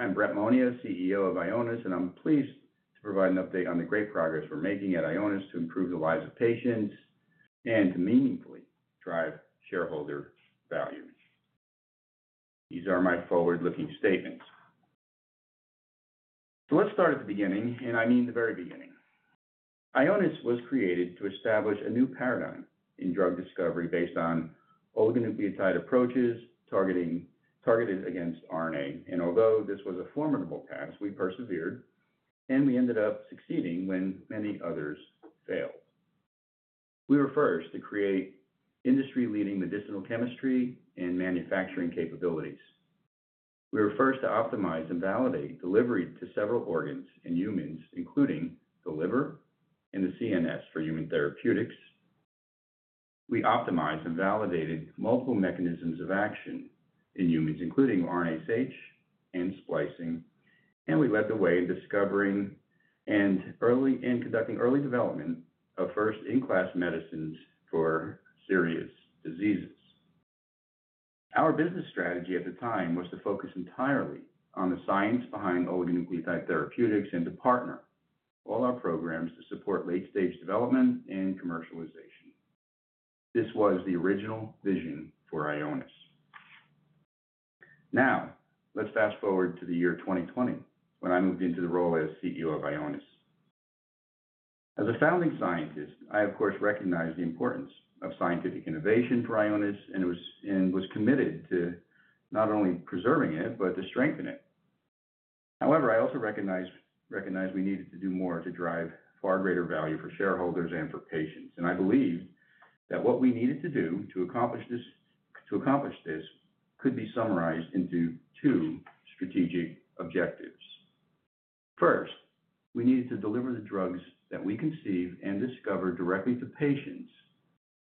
I'm Brett Monia, CEO of Ionis, and I'm pleased to provide an update on the great progress we're making at Ionis to improve the lives of patients and to meaningfully drive shareholder value. These are my forward-looking statements. Let's start at the beginning, and I mean the very beginning. Ionis was created to establish a new paradigm in drug discovery based on oligonucleotide approaches targeted against RNA. Although this was a formidable task, we persevered, and we ended up succeeding when many others failed. We were first to create industry-leading medicinal chemistry and manufacturing capabilities. We were first to optimize and validate delivery to several organs in humans, including the liver and the CNS for human therapeutics. We optimized and validated multiple mechanisms of action in humans, including RNA-Seq and splicing. We led the way in discovering and conducting early development of first-in-class medicines for serious diseases. Our business strategy at the time was to focus entirely on the science behind oligonucleotide therapeutics and to partner all our programs to support late-stage development and commercialization. This was the original vision for Ionis. Now, let's fast forward to the year 2020 when I moved into the role as CEO of Ionis. As a founding scientist, I, of course, recognized the importance of scientific innovation for Ionis and was committed to not only preserving it but to strengthen it. However, I also recognized we needed to do more to drive far greater value for shareholders and for patients. I believed that what we needed to do to accomplish this could be summarized into two strategic objectives. First, we needed to deliver the drugs that we conceive and discover directly to patients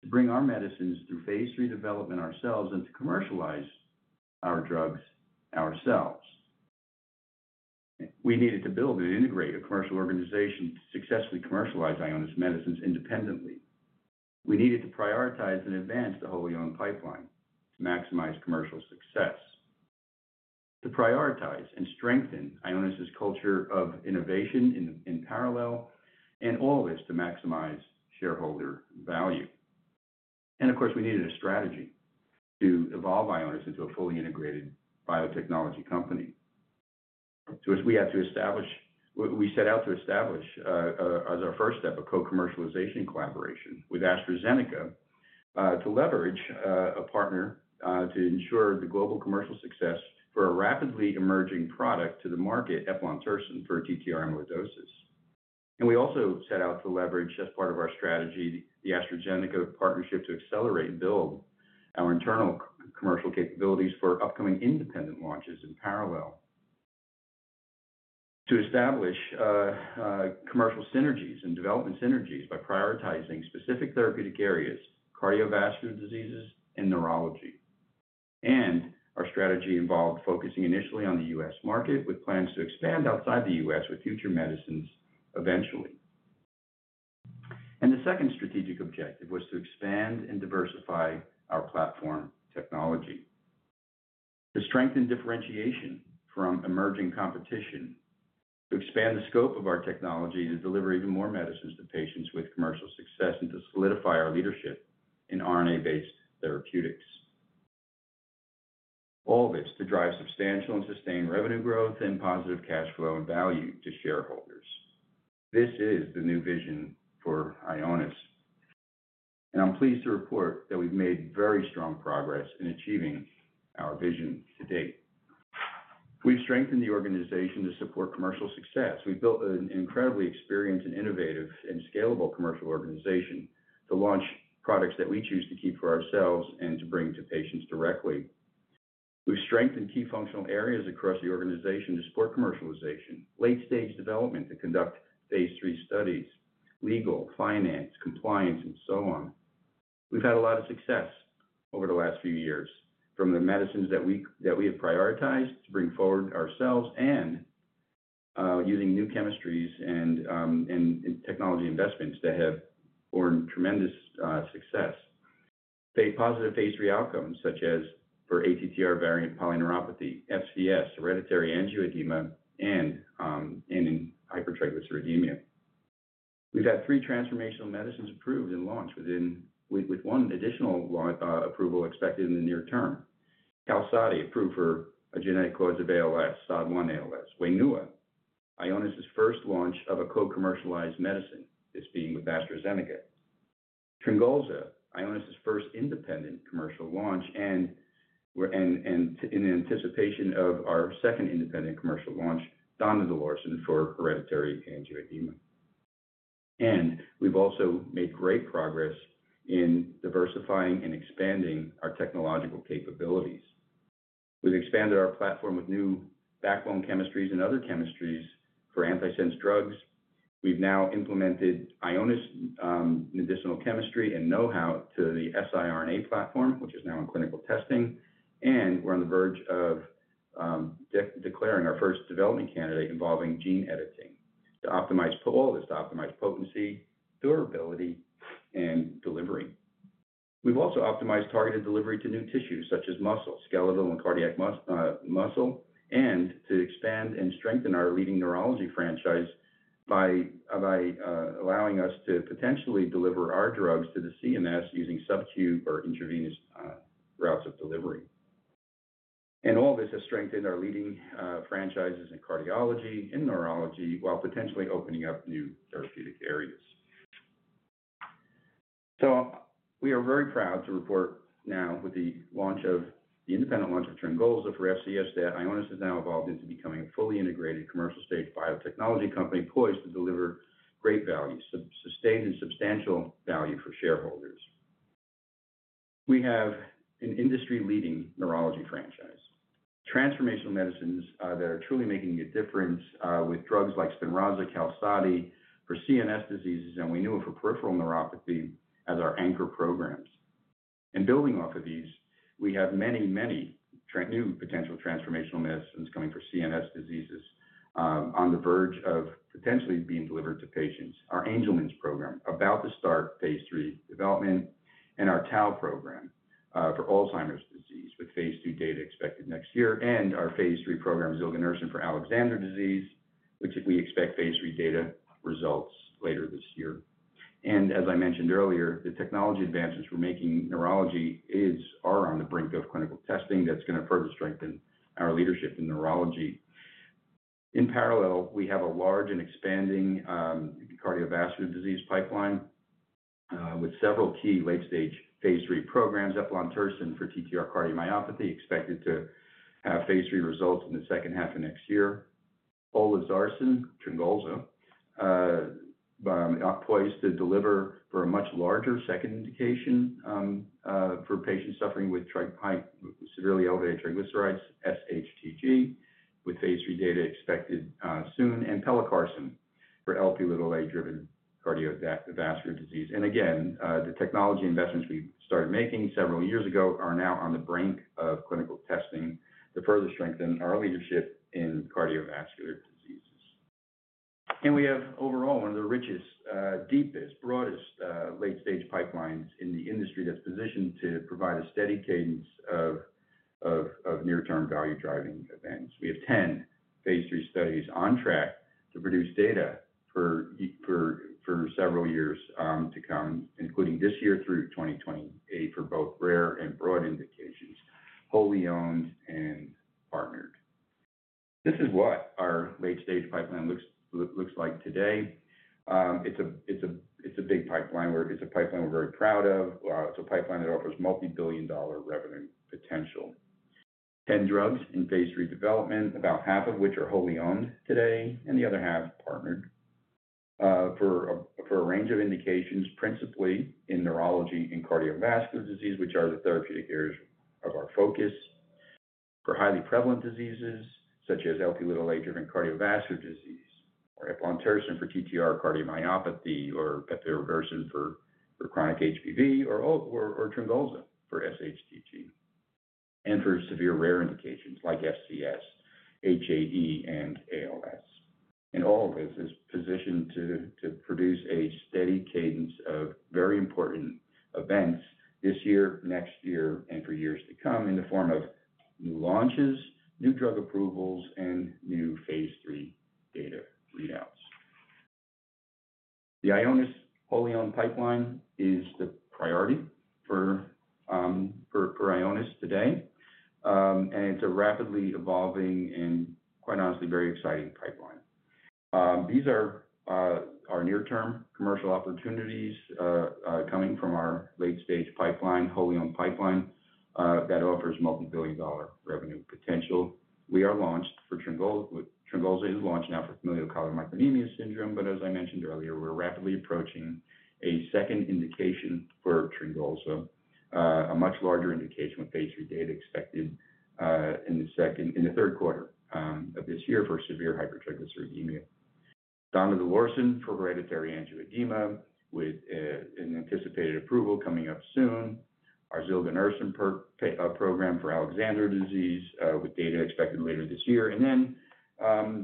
to bring our medicines through phase three development ourselves and to commercialize our drugs ourselves. We needed to build and integrate a commercial organization to successfully commercialize Ionis medicines independently. We needed to prioritize and advance the whole young pipeline to maximize commercial success, to prioritize and strengthen Ionis's culture of innovation in parallel, and all this to maximize shareholder value. Of course, we needed a strategy to evolve Ionis into a fully integrated biotechnology company. We had to establish what we set out to establish as our first step, a co-commercialization collaboration with AstraZeneca to leverage a partner to ensure the global commercial success for a rapidly emerging product to the market, eplontersen for TTR amyloidosis. We also set out to leverage, as part of our strategy, the AstraZeneca partnership to accelerate and build our internal commercial capabilities for upcoming independent launches in parallel, to establish commercial synergies and development synergies by prioritizing specific therapeutic areas, cardiovascular diseases, and neurology. Our strategy involved focusing initially on the U.S. market with plans to expand outside the U.S. with future medicines eventually. The second strategic objective was to expand and diversify our platform technology to strengthen differentiation from emerging competition, to expand the scope of our technology to deliver even more medicines to patients with commercial success, and to solidify our leadership in RNA-based therapeutics. All this is to drive substantial and sustained revenue growth and positive cash flow and value to shareholders. This is the new vision for Ionis. I'm pleased to report that we've made very strong progress in achieving our vision to date. We've strengthened the organization to support commercial success. We've built an incredibly experienced and innovative and scalable commercial organization to launch products that we choose to keep for ourselves and to bring to patients directly. have strengthened key functional areas across the organization to support commercialization, late-stage development to conduct phase three studies, legal, finance, compliance, and so on. We have had a lot of success over the last few years, from the medicines that we have prioritized to bring forward ourselves and using new chemistries and technology investments that have earned tremendous success, positive phase three outcomes such as for ATTR variant polyneuropathy, FCS, hereditary angioedema, and hypertriglyceridemia. We have had three transformational medicines approved and launched with one additional approval expected in the near term, Qalsody approved for a genetic cause of ALS, SOD1 ALS, Wainua, Ionis's first launch of a co-commercialized medicine, this being with AstraZeneca, Tryngolza, Ionis's first independent commercial launch, and in anticipation of our second independent commercial launch, donidalorsen for hereditary angioedema. We have also made great progress in diversifying and expanding our technological capabilities. have expanded our platform with new backbone chemistries and other chemistries for antisense drugs. We have now implemented Ionis medicinal chemistry and know-how to the siRNA platform, which is now in clinical testing. We are on the verge of declaring our first development candidate involving gene editing to optimize all this to optimize potency, durability, and delivery. We have also optimized targeted delivery to new tissues such as muscle, skeletal, and cardiac muscle, and to expand and strengthen our leading neurology franchise by allowing us to potentially deliver our drugs to the CNS using subcu or intravenous routes of delivery. All this has strengthened our leading franchises in cardiology and neurology while potentially opening up new therapeutic areas. We are very proud to report now with the independent launch of Tryngolza for FCS that Ionis has now evolved into becoming a fully integrated commercial-stage biotechnology company poised to deliver great value, sustained and substantial value for shareholders. We have an industry-leading neurology franchise, transformational medicines that are truly making a difference with drugs like Spinraza, Qalsody for CNS diseases, and Wainua for peripheral neuropathy as our anchor programs. Building off of these, we have many, many new potential transformational medicines coming for CNS diseases on the verge of potentially being delivered to patients, our Angelman’s program about to start phase three development, our tau program for Alzheimer’s disease with phase two data expected next year, and our phase three program, Zilganersen for Alexander disease, which we expect phase three data results later this year. As I mentioned earlier, the technology advances we're making in neurology are on the brink of clinical testing that's going to further strengthen our leadership in neurology. In parallel, we have a large and expanding cardiovascular disease pipeline with several key late-stage phase 3 programs, eplontersen for TTR cardiomyopathy expected to have phase 3 results in the second half of next year, olezarsen Tryngolza poised to deliver for a much larger second indication for patients suffering with severely elevated triglycerides, SHTG with phase 3 data expected soon, and pelacarsen for Lp(a)-driven cardiovascular disease. The technology investments we started making several years ago are now on the brink of clinical testing to further strengthen our leadership in cardiovascular diseases. We have overall one of the richest, deepest, broadest late-stage pipelines in the industry that's positioned to provide a steady cadence of near-term value-driving events. We have 10 phase three studies on track to produce data for several years to come, including this year through 2028 for both rare and broad indications, wholly owned and partnered. This is what our late-stage pipeline looks like today. It's a big pipeline, we're very proud of it. It's a pipeline that offers multi-billion dollar revenue potential. 10 drugs in phase three development, about half of which are wholly owned today and the other half partnered for a range of indications principally in neurology and cardiovascular disease, which are the therapeutic areas of our focus for highly prevalent diseases such as Lp(a)-driven cardiovascular disease or eplontersen for TTR cardiomyopathy or Tryngolza for SHTG and for severe rare indications like FCS, HAE, and ALS. All of this is positioned to produce a steady cadence of very important events this year, next year, and for years to come in the form of new launches, new drug approvals, and new phase three data readouts. The Ionis wholly owned pipeline is the priority for Ionis today. It's a rapidly evolving and, quite honestly, very exciting pipeline. These are our near-term commercial opportunities coming from our late-stage pipeline, wholly owned pipeline that offers multi-billion dollar revenue potential. We are launched for Tryngolza is launched now for familial chylomicronemia syndrome. As I mentioned earlier, we're rapidly approaching a second indication for Tryngolza, a much larger indication with phase three data expected in the third quarter of this year for severe hypertriglyceridemia. Donidalorsen for hereditary angioedema with an anticipated approval coming up soon, our Zilganersen program for Alexander disease with data expected later this year.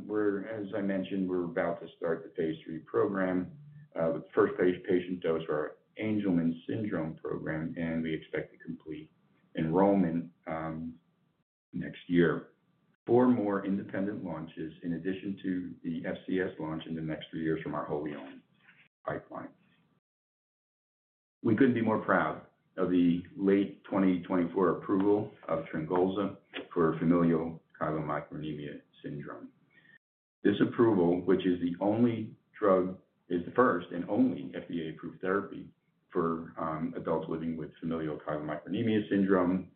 We're, as I mentioned, about to start the phase 3 program with the first patient dose for our Angelman syndrome program. We expect to complete enrollment next year, four more independent launches in addition to the FCS launch in the next three years from our wholly owned pipeline. We couldn't be more proud of the late 2024 approval of Tryngolza for familial chylomicronemia syndrome. This approval, which is the only drug, is the first and only FDA-approved therapy for adults living with familial chylomicronemia syndrome,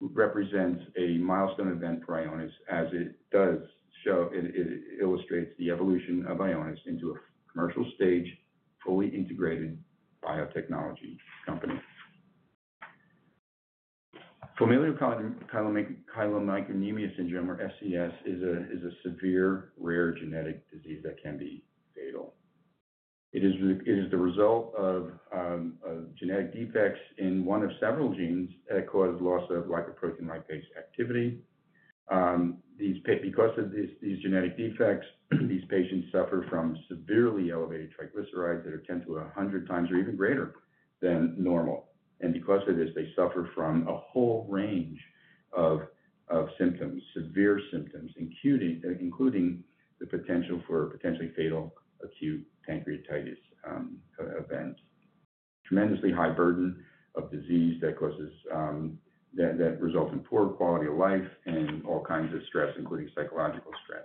represents a milestone event for Ionis as it does show it illustrates the evolution of Ionis into a commercial stage fully integrated biotechnology company. Familial chylomicronemia syndrome or FCS is a severe rare genetic disease that can be fatal. It is the result of genetic defects in one of several genes that cause loss of lipoprotein lipase activity. Because of these genetic defects, these patients suffer from severely elevated triglycerides that are 10-100 times or even greater than normal. Because of this, they suffer from a whole range of symptoms, severe symptoms, including the potential for potentially fatal acute pancreatitis events, tremendously high burden of disease that results in poor quality of life and all kinds of stress, including psychological stress.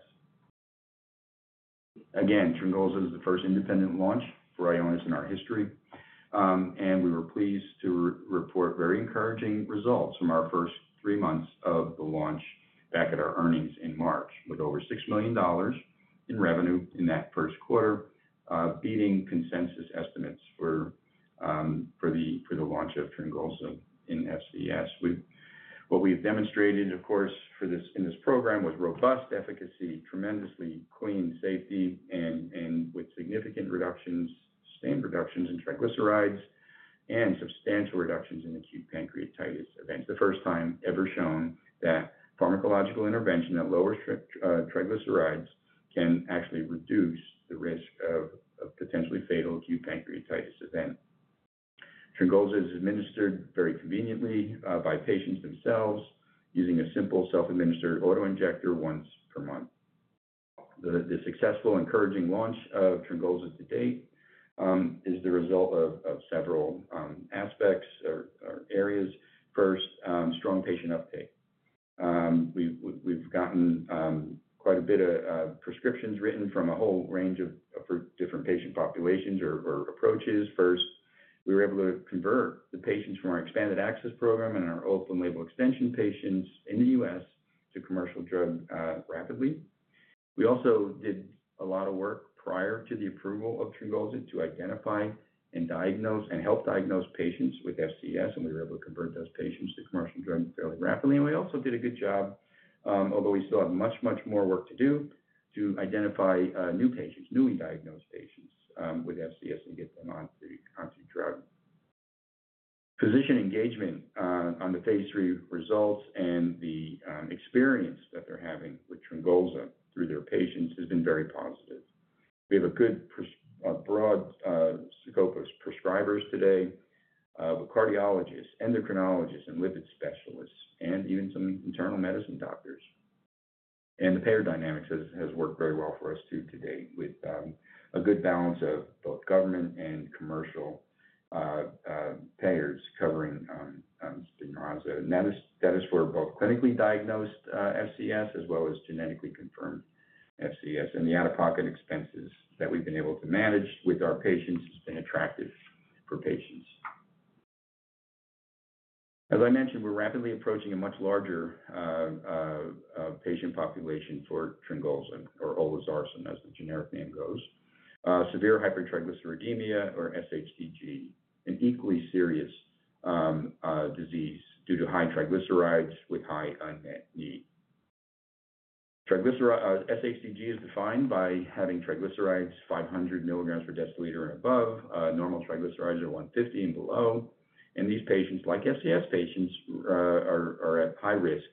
Again, Tryngolza is the first independent launch for Ionis in our history. We were pleased to report very encouraging results from our first three months of the launch back at our earnings in March with over $6 million in revenue in that first quarter, beating consensus estimates for the launch of Tryngolzad in FCS. What we've demonstrated, of course, in this program was robust efficacy, tremendously clean safety, and with significant reductions, sustained reductions in triglycerides and substantial reductions in acute pancreatitis events, the first time ever shown that pharmacological intervention that lowers triglycerides can actually reduce the risk of potentially fatal acute pancreatitis event. Tryngolza is administered very conveniently by patients themselves using a simple self-administered auto injector once per month. The successful encouraging launch of Tryngolza to date is the result of several aspects or areas. First, strong patient uptake. We've gotten quite a bit of prescriptions written from a whole range of different patient populations or approaches. First, we were able to convert the patients from our expanded access program and our open label extension patients in the U.S. to commercial drug rapidly. We also did a lot of work prior to the approval of Tryngolza to identify and diagnose and help diagnose patients with FCS. We were able to convert those patients to commercial drug fairly rapidly. We also did a good job, although we still have much, much more work to do to identify new patients, newly diagnosed patients with FCS and get them onto drug. Physician engagement on the phase three results and the experience that they're having with Tryngolza through their patients has been very positive. We have a good broad scope of prescribers today, cardiologists, endocrinologists, and lipid specialists, and even some internal medicine doctors. The payer dynamics has worked very well for us too to date with a good balance of both government and commercial payers covering Spinraza. That is for both clinically diagnosed FCS as well as genetically confirmed FCS. The out-of-pocket expenses that we've been able to manage with our patients has been attractive for patients. As I mentioned, we're rapidly approaching a much larger patient population for Tryngolza, or olezarsen as the generic name goes, severe hypertriglyceridemia or SHTG, an equally serious disease due to high triglycerides with high unmet need. SHTG is defined by having triglycerides 500 milligrams per deciliter and above, normal triglycerides are 150 and below. These patients, like FCS patients, are at high risk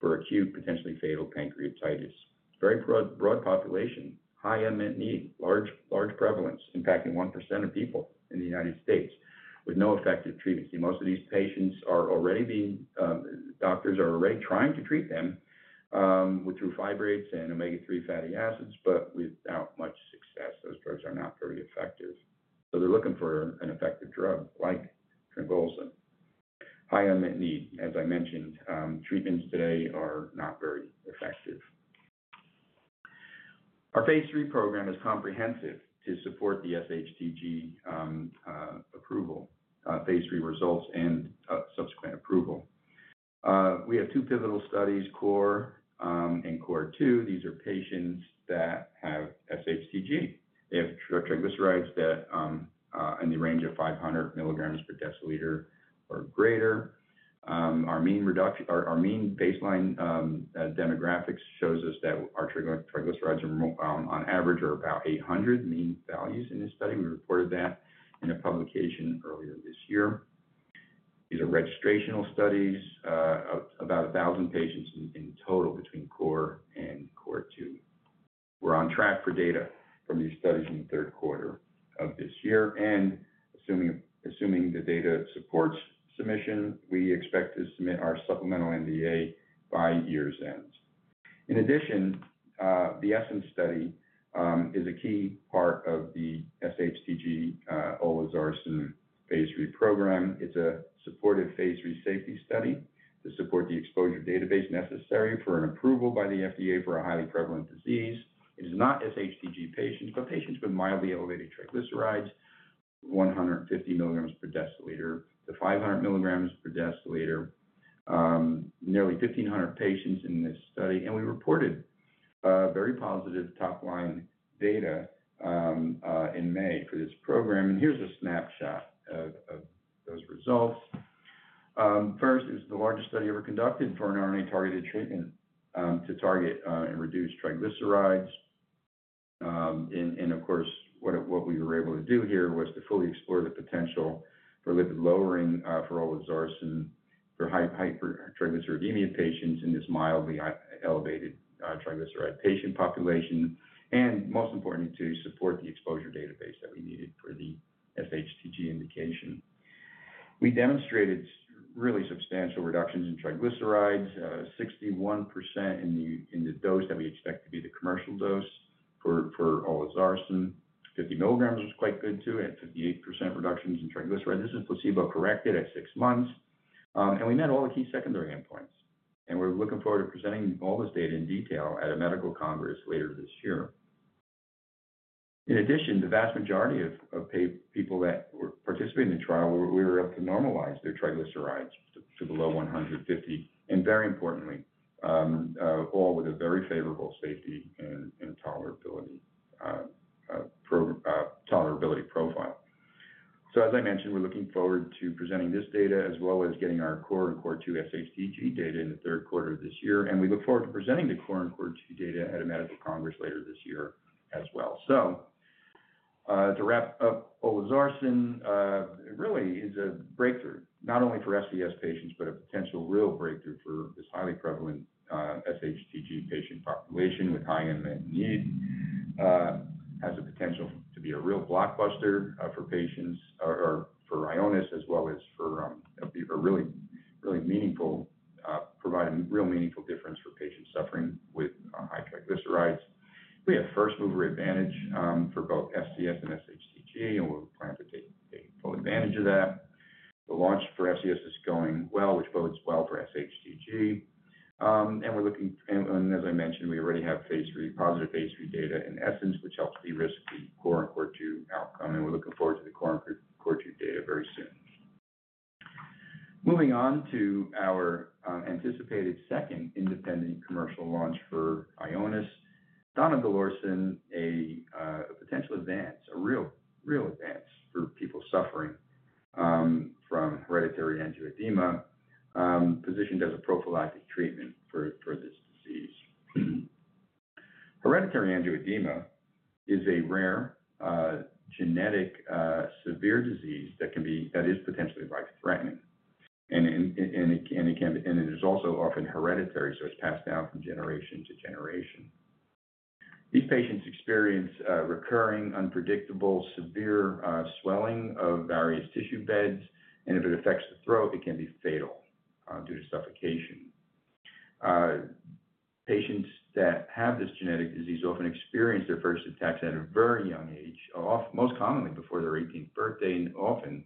for acute, potentially fatal pancreatitis. Very broad population, high unmet need, large prevalence, impacting 1% of people in the United States with no effective treatments. Most of these patients are already being treated by doctors who are already trying to treat them with fibrate and omega-3 fatty acids, but without much success. Those drugs are not very effective. They're looking for an effective drug like Tryngolza. High unmet need, as I mentioned, treatments today are not very effective. Our phase three program is comprehensive to support the SHTG approval, phase three results, and subsequent approval. We have two pivotal studies, CORE and CORE 2. These are patients that have SHTG. They have triglycerides in the range of 500 milligrams per deciliter or greater. Our mean baseline demographics shows us that our triglycerides are on average are about 800 mean values in this study. We reported that in a publication earlier this year. These are registrational studies, about 1,000 patients in total between CORE and CORE 2. We are on track for data from these studies in the third quarter of this year. Assuming the data supports submission, we expect to submit our supplemental NDA by year's end. In addition, the ESSENCE study is a key part of the SHTG olezarsen phase three program. It's a supportive phase three safety study to support the exposure database necessary for an approval by the FDA for a highly prevalent disease. It is not SHTG patients, but patients with mildly elevated triglycerides, 150 milligrams per deciliter to 500 milligrams per deciliter, nearly 1,500 patients in this study. We reported very positive top-line data in May for this program. Here is a snapshot of those results. First is the largest study ever conducted for an RNA-targeted treatment to target and reduce triglycerides. What we were able to do here was to fully explore the potential for lipid lowering for olezarsen for hypertriglyceridemia patients in this mildly elevated triglyceride patient population. Most importantly, to support the exposure database that we needed for the SHTG indication. We demonstrated really substantial reductions in triglycerides, 61% in the dose that we expect to be the commercial dose for olezarsen. 50 milligrams was quite good too, at 58% reductions in triglycerides. This is placebo-corrected at six months. We met all the key secondary endpoints. We are looking forward to presenting all this data in detail at a medical congress later this year. In addition, the vast majority of people that participated in the trial, we were able to normalize their triglycerides to below 150. Very importantly, all with a very favorable safety and tolerability profile. As I mentioned, we are looking forward to presenting this data as well as getting our CORE and CORE 2 SHTG data in the third quarter of this year. We look forward to presenting the CORE and CORE 2 data at a medical congress later this year as well. To wrap up, olezarsen really is a breakthrough, not only for FCS patients, but a potential real breakthrough for this highly prevalent SHTG patient population with high unmet need. It has the potential to be a real blockbuster for patients or for Ionis as well as for a really meaningful, providing real meaningful difference for patients suffering with high triglycerides. We have first mover advantage for both FCS and SHTG, and we'll plan to take full advantage of that. The launch for FCS is going well, which bodes well for SHTG. As I mentioned, we already have positive phase three data in ESSENCE, which helps de-risk the CORE and CORE2 outcome. We're looking forward to the CORE and CORE2 data very soon. Moving on to our anticipated second independent commercial launch for Ionis. Donidalorsen, a potential advance, a real advance for people suffering from hereditary angioedema, positioned as a prophylactic treatment for this disease. Hereditary angioedema is a rare genetic severe disease that is potentially life-threatening. It is also often hereditary, so it's passed down from generation to generation. These patients experience recurring, unpredictable, severe swelling of various tissue beds. If it affects the throat, it can be fatal due to suffocation. Patients that have this genetic disease often experience their first attacks at a very young age, most commonly before their 18th birthday and often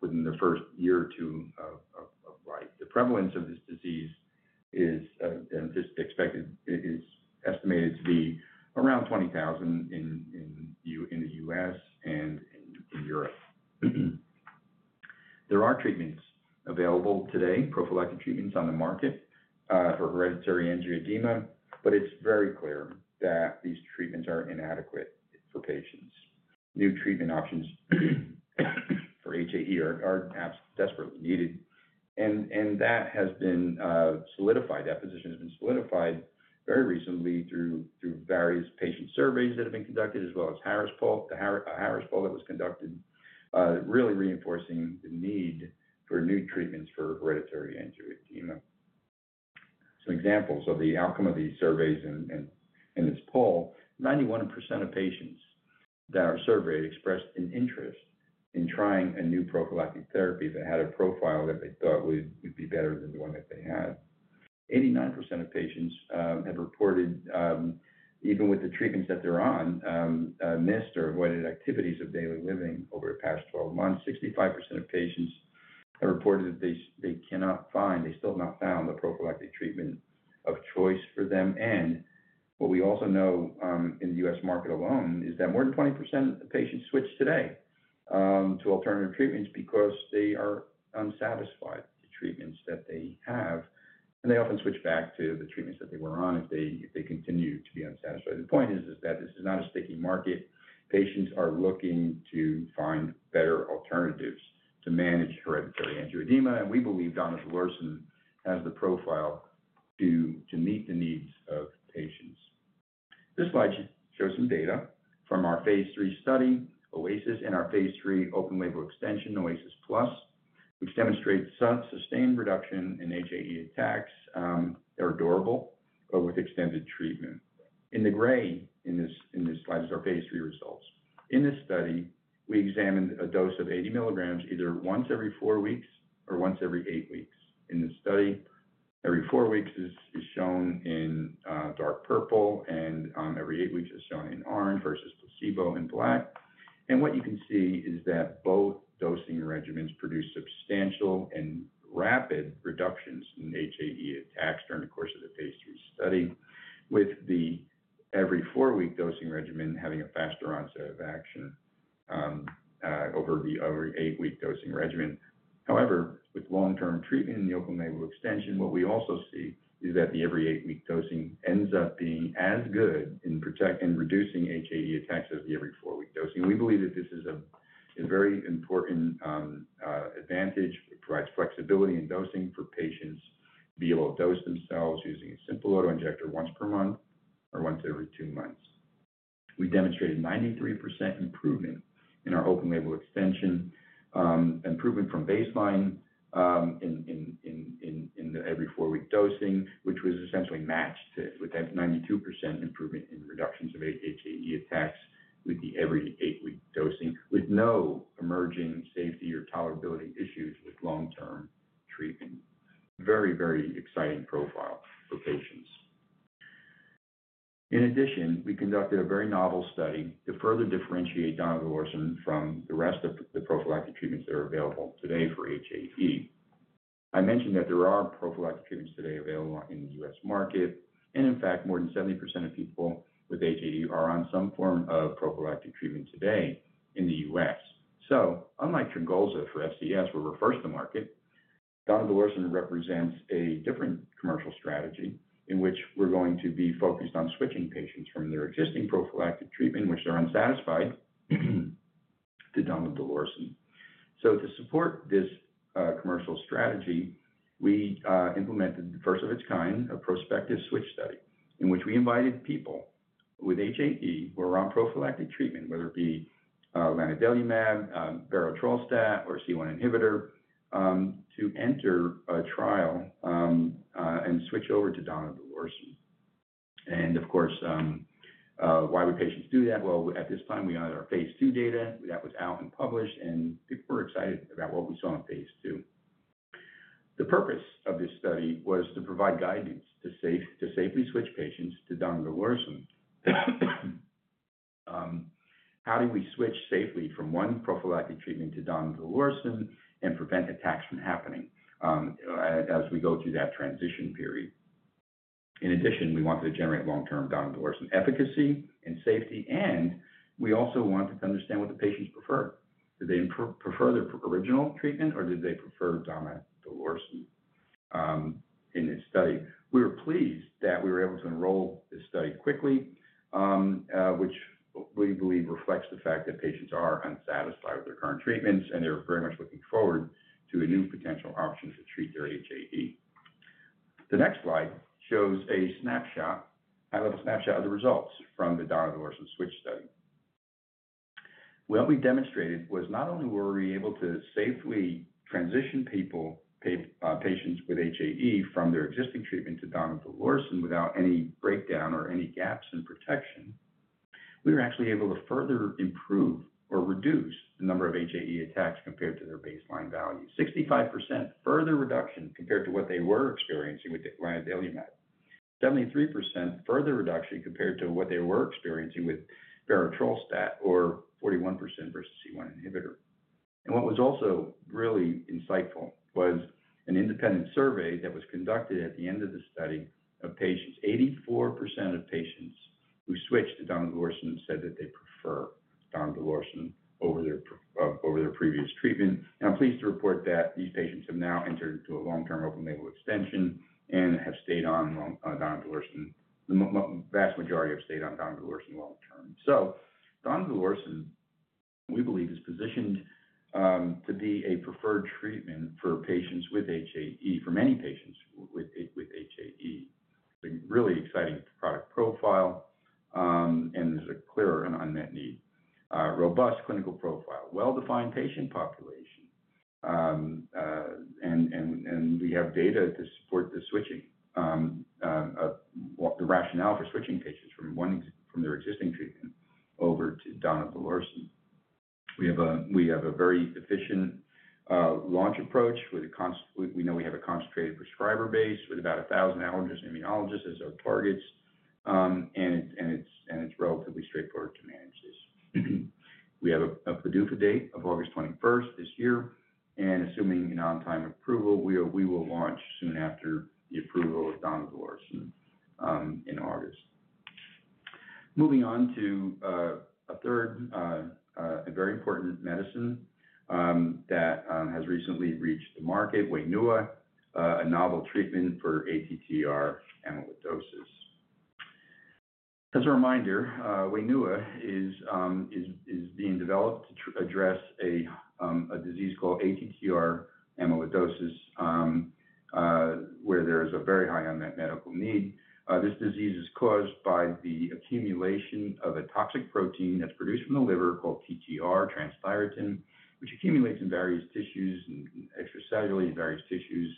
within the first year or two of life. The prevalence of this disease is estimated to be around 20,000 in the U.S. and in Europe. There are treatments available today, prophylactic treatments on the market for hereditary angioedema, but it's very clear that these treatments are inadequate for patients. New treatment options for HAE are desperately needed. That position has been solidified very recently through various patient surveys that have been conducted, as well as the Harris Poll that was conducted, really reinforcing the need for new treatments for hereditary angioedema. Some examples of the outcome of these surveys and this poll: 91% of patients that are surveyed expressed an interest in trying a new prophylactic therapy that had a profile that they thought would be better than the one that they had. 89% of patients had reported, even with the treatments that they're on, missed or avoided activities of daily living over the past 12 months. 65% of patients have reported that they cannot find, they still have not found the prophylactic treatment of choice for them. What we also know in the U.S. market alone is that more than 20% of patients switch today to alternative treatments because they are unsatisfied with the treatments that they have. They often switch back to the treatments that they were on if they continue to be unsatisfied. The point is that this is not a sticky market. Patients are looking to find better alternatives to manage hereditary angioedema. We believe donidalorsen has the profile to meet the needs of patients. This slide shows some data from our phase three study, OASIS, and our phase three open label extension, OASIS Plus, which demonstrates sustained reduction in HAE attacks. They are durable, but with extended treatment. In the gray in this slide is our phase three results. In this study, we examined a dose of 80 milligrams either once every four weeks or once every eight weeks. In this study, every four weeks is shown in dark purple, and every eight weeks is shown in orange versus placebo in black. What you can see is that both dosing regimens produce substantial and rapid reductions in HAE attacks during the course of the phase three study, with the every four-week dosing regimen having a faster onset of action over the every eight-week dosing regimen. However, with long-term treatment in the open label extension, what we also see is that the every eight-week dosing ends up being as good in reducing HAE attacks as the every four-week dosing. We believe that this is a very important advantage. It provides flexibility in dosing for patients to be able to dose themselves using a simple auto injector once per month or once every two months. We demonstrated 93% improvement in our open label extension, improvement from baseline in the every four-week dosing, which was essentially matched with 92% improvement in reductions of HAE attacks with the every eight-week dosing, with no emerging safety or tolerability issues with long-term treatment. Very, very exciting profile for patients. In addition, we conducted a very novel study to further differentiate donidalorsen from the rest of the prophylactic treatments that are available today for HAE. I mentioned that there are prophylactic treatments today available in the U.S. market. In fact, more than 70% of people with HAE are on some form of prophylactic treatment today in the U.S. Unlike Tryngolza for FCS, where we're first to market, donidalorsen represents a different commercial strategy in which we're going to be focused on switching patients from their existing prophylactic treatment, which they're unsatisfied, to donidalorsen. To support this commercial strategy, we implemented the first of its kind, a prospective switch study, in which we invited people with HAE who are on prophylactic treatment, whether it be lanadelumab, berotralstat, or C1 inhibitor, to enter a trial and switch over to donidalorsen. Of course, why would patients do that? At this time, we had our phase two data that was out and published, and people were excited about what we saw in phase two. The purpose of this study was to provide guidance to safely switch patients to donidalorsen. How do we switch safely from one prophylactic treatment to donidalorsen and prevent attacks from happening as we go through that transition period? In addition, we wanted to generate long-term donidalorsen efficacy and safety. We also wanted to understand what the patients prefer. Did they prefer the original treatment, or did they prefer donidalorsen in this study? We were pleased that we were able to enroll this study quickly, which we believe reflects the fact that patients are unsatisfied with their current treatments, and they're very much looking forward to a new potential option to treat their HAE. The next slide shows a high-level snapshot of the results from the donidalorsen switch study. What we demonstrated was not only were we able to safely transition patients with HAE from their existing treatment to donidalorsen without any breakdown or any gaps in protection, we were actually able to further improve or reduce the number of HAE attacks compared to their baseline value. 65% further reduction compared to what they were experiencing with lanadelumab. 73% further reduction compared to what they were experiencing with berotralstat or 41% versus C1 inhibitor. What was also really insightful was an independent survey that was conducted at the end of the study of patients. 84% of patients who switched to donidalorsen said that they prefer donidalorsen over their previous treatment. I'm pleased to report that these patients have now entered into a long-term open label extension and have stayed on donidalorsen. The vast majority have stayed on donidalorsen long-term. Donidalorsen, we believe, is positioned to be a preferred treatment for patients with HAE, for many patients with HAE. It's a really exciting product profile, and there's a clear and unmet need. Robust clinical profile, well-defined patient population. We have data to support the rationale for switching patients from their existing treatment over to donidalorsen. We have a very efficient launch approach. We know we have a concentrated prescriber base with about 1,000 allergists, immunologists as our targets. It is relatively straightforward to manage this. We have a PDUFA date of August 21 this year. Assuming an on-time approval, we will launch soon after the approval of donidalorsen in August. Moving on to a third, a very important medicine that has recently reached the market, Wainua, a novel treatment for ATTR amyloidosis. As a reminder, Wainua is being developed to address a disease called ATTR amyloidosis, where there is a very high unmet medical need. This disease is caused by the accumulation of a toxic protein that is produced from the liver called TTR, transthyretin, which accumulates in various tissues and extracellularly in various tissues,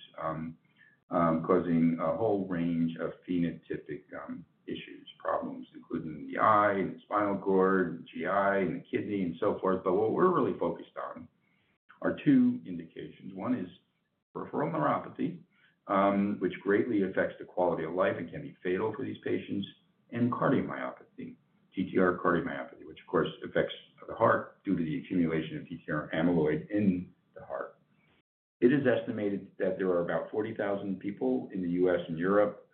causing a whole range of phenotypic issues, problems, including the eye and the spinal cord and GI and the kidney and so forth. What we are really focused on are two indications. One is peripheral neuropathy, which greatly affects the quality of life and can be fatal for these patients, and cardiomyopathy, TTR cardiomyopathy, which, of course, affects the heart due to the accumulation of TTR amyloid in the heart. It is estimated that there are about 40,000 people in the U.S. and Europe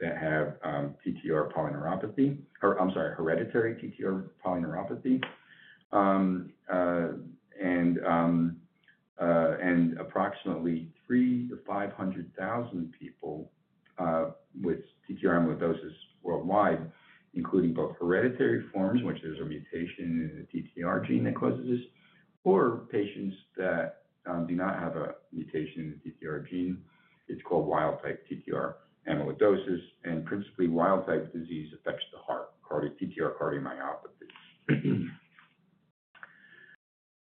that have TTR polyneuropathy, or I'm sorry, hereditary TTR polyneuropathy. And approximately 300,000-500,000 people with TTR amyloidosis worldwide, including both hereditary forms, which there's a mutation in the TTR gene that causes this, or patients that do not have a mutation in the TTR gene. It's called wild-type TTR amyloidosis. Principally, wild-type disease affects the heart, TTR cardiomyopathy.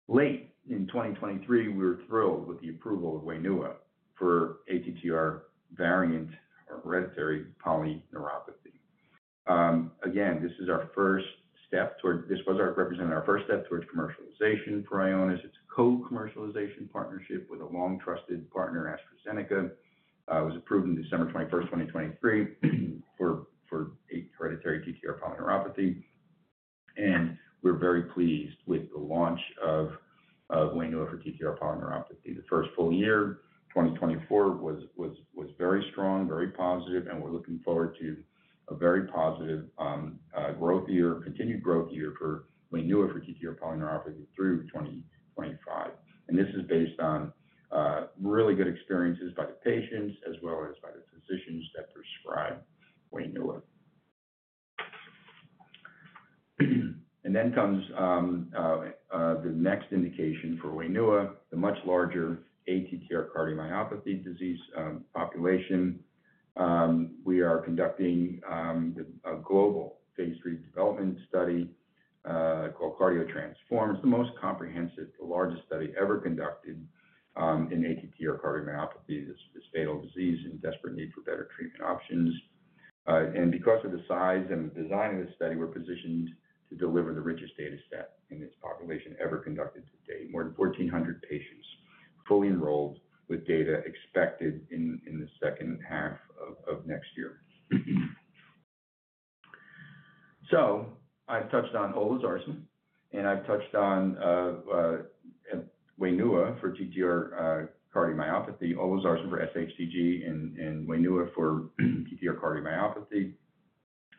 Late in 2023, we were thrilled with the approval of Wainua for ATTR variant or hereditary polyneuropathy. Again, this was representing our first step towards commercialization for Ionis. It's a co-commercialization partnership with a long-trusted partner, AstraZeneca. It was approved on December 21, 2023, for hereditary TTR polyneuropathy. We're very pleased with the launch of Wainua for TTR polyneuropathy. The first full year, 2024, was very strong, very positive. We're looking forward to a very positive growth year, continued growth year for Wainua for TTR polyneuropathy through 2025. This is based on really good experiences by the patients as well as by the physicians that prescribe Wainua. Then comes the next indication for Wainua, the much larger ATTR cardiomyopathy disease population. We are conducting a global phase three development study called CardioTransform. It's the most comprehensive, the largest study ever conducted in ATTR cardiomyopathy, this fatal disease in desperate need for better treatment options. Because of the size and the design of this study, we're positioned to deliver the richest data set in this population ever conducted to date, more than 1,400 patients fully enrolled with data expected in the second half of next year. I've touched on olezarsen, and I've touched on Wainua for TTR cardiomyopathy, olezarsen for SHTG, and Wainua for TTR cardiomyopathy.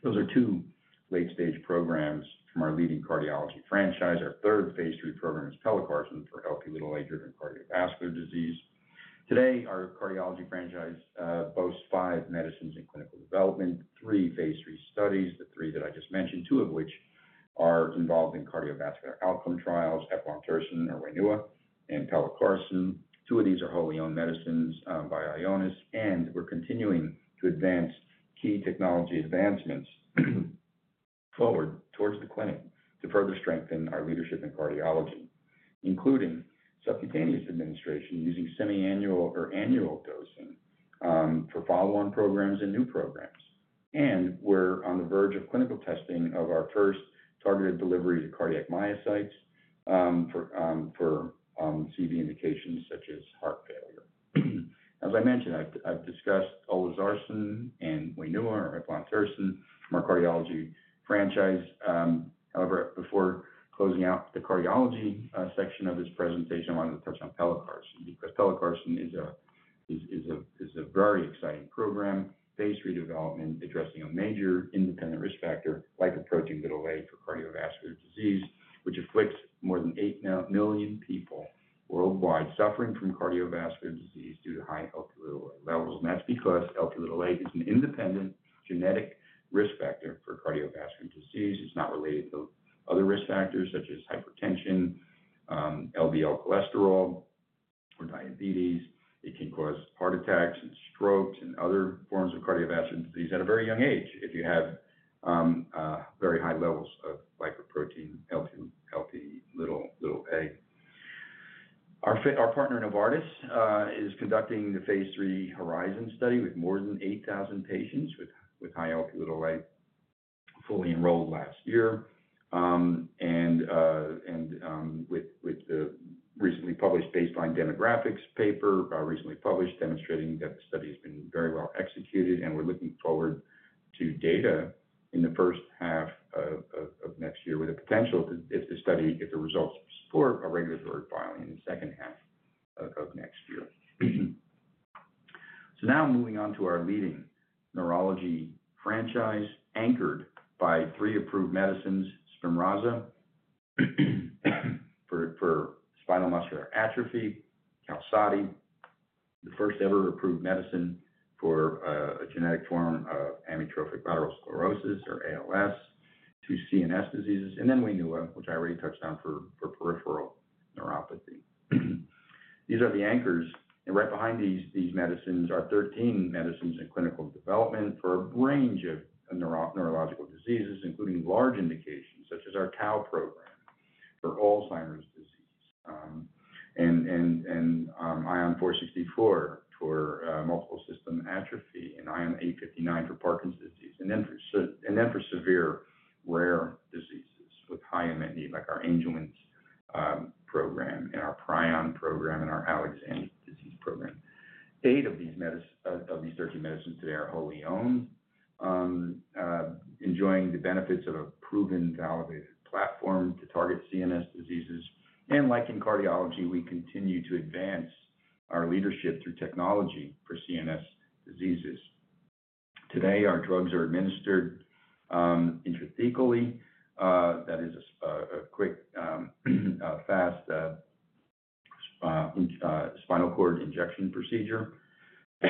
Those are two late-stage programs from our leading cardiology franchise. Our third phase three program is pelacarsen for Lp(a)-driven cardiovascular disease. Today, our cardiology franchise boasts five medicines in clinical development, three phase three studies, the three that I just mentioned, two of which are involved in cardiovascular outcome trials, eplontersen or Wainua, and pelacarsen. Two of these are wholly owned medicines by Ionis. We are continuing to advance key technology advancements forward towards the clinic to further strengthen our leadership in cardiology, including subcutaneous administration using semi-annual or annual dosing for follow-on programs and new programs. We are on the verge of clinical testing of our first targeted delivery to cardiac myocytes for CV indications such as heart failure. As I mentioned, I have discussed Olezarsen and Wainua or eplontersen from our cardiology franchise. However, before closing out the cardiology section of this presentation, I wanted to touch on pelacarsen because pelacarsen is a very exciting program, phase three development, addressing a major independent risk factor like lipoprotein(a) for cardiovascular disease, which afflicts more than 8 million people worldwide suffering from cardiovascular disease due to high Lp(a) levels. That is because Lp(a) is an independent genetic risk factor for cardiovascular disease. It's not related to other risk factors such as hypertension, LDL cholesterol, or diabetes. It can cause heart attacks and strokes and other forms of cardiovascular disease at a very young age if you have very high levels of lipoprotein(a). Our partner, Novartis, is conducting the phase three HORIZON study with more than 8,000 patients with high lipoprotein(a) fully enrolled last year. With the recently published baseline demographics paper, recently published, demonstrating that the study has been very well executed. We're looking forward to data in the first half of next year with a potential, if the results support, a regulatory filing in the second half of next year. Now moving on to our leading neurology franchise anchored by three approved medicines, Spinraza for spinal muscular atrophy, Qalsody, the first ever approved medicine for a genetic form of amyotrophic lateral sclerosis or ALS, two CNS diseases, and then Wainua, which I already touched on for peripheral neuropathy. These are the anchors. Right behind these medicines are 13 medicines in clinical development for a range of neurological diseases, including large indications such as our COW program for Alzheimer's disease, and Ion 464 for multiple system atrophy, and Ion 859 for Parkinson's disease, and then for severe rare diseases with high unmet need like our Angelman syndrome program and our Prion program and our Alexander disease program. Eight of these 13 medicines today are wholly owned, enjoying the benefits of a proven validated platform to target CNS diseases. Like in cardiology, we continue to advance our leadership through technology for CNS diseases. Today, our drugs are administered intrathecally. That is a quick, fast spinal cord injection procedure. We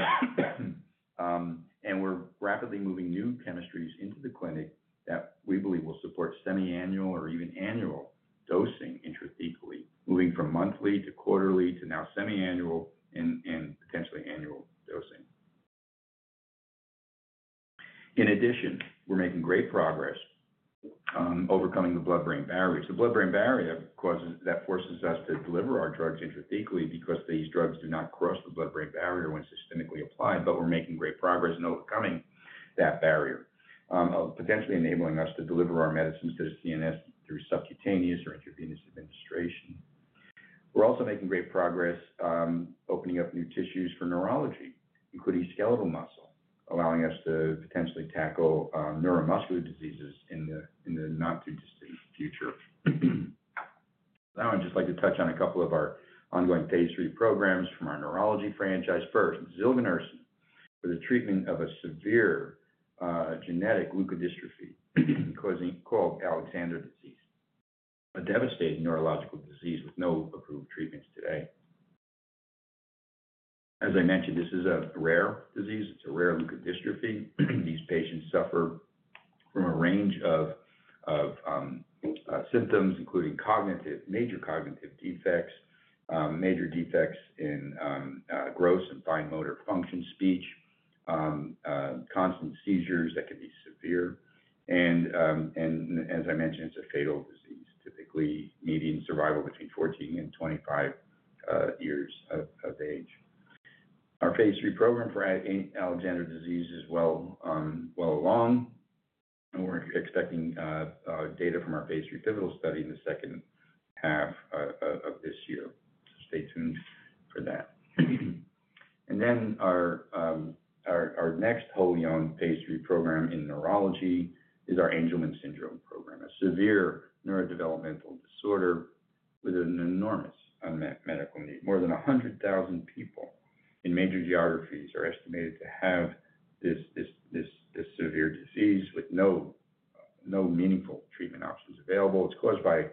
are rapidly moving new chemistries into the clinic that we believe will support semi-annual or even annual dosing intrathecally, moving from monthly to quarterly to now semi-annual and potentially annual dosing. In addition, we are making great progress overcoming the blood-brain barrier. The blood-brain barrier forces us to deliver our drugs intrathecally because these drugs do not cross the blood-brain barrier when systemically applied, but we are making great progress in overcoming that barrier, potentially enabling us to deliver our medicines to the CNS through subcutaneous or intravenous administration. We are also making great progress opening up new tissues for neurology, including skeletal muscle, allowing us to potentially tackle neuromuscular diseases in the not-too-distant future. Now, I'd just like to touch on a couple of our ongoing phase three programs from our neurology franchise. First, Zilganersen, for the treatment of a severe genetic leukodystrophy called Alexander disease, a devastating neurological disease with no approved treatments today. As I mentioned, this is a rare disease. It's a rare leukodystrophy. These patients suffer from a range of symptoms, including major cognitive defects, major defects in gross and fine motor function, speech, constant seizures that can be severe. As I mentioned, it's a fatal disease, typically median survival between 14 and 25 years of age. Our phase three program for Alexander disease is well along. We're expecting data from our phase three pivotal study in the second half of this year. Stay tuned for that. Our next wholly owned phase 3 program in neurology is our Angelman syndrome program, a severe neurodevelopmental disorder with an enormous unmet medical need. More than 100,000 people in major geographies are estimated to have this severe disease with no meaningful treatment options available. It is caused by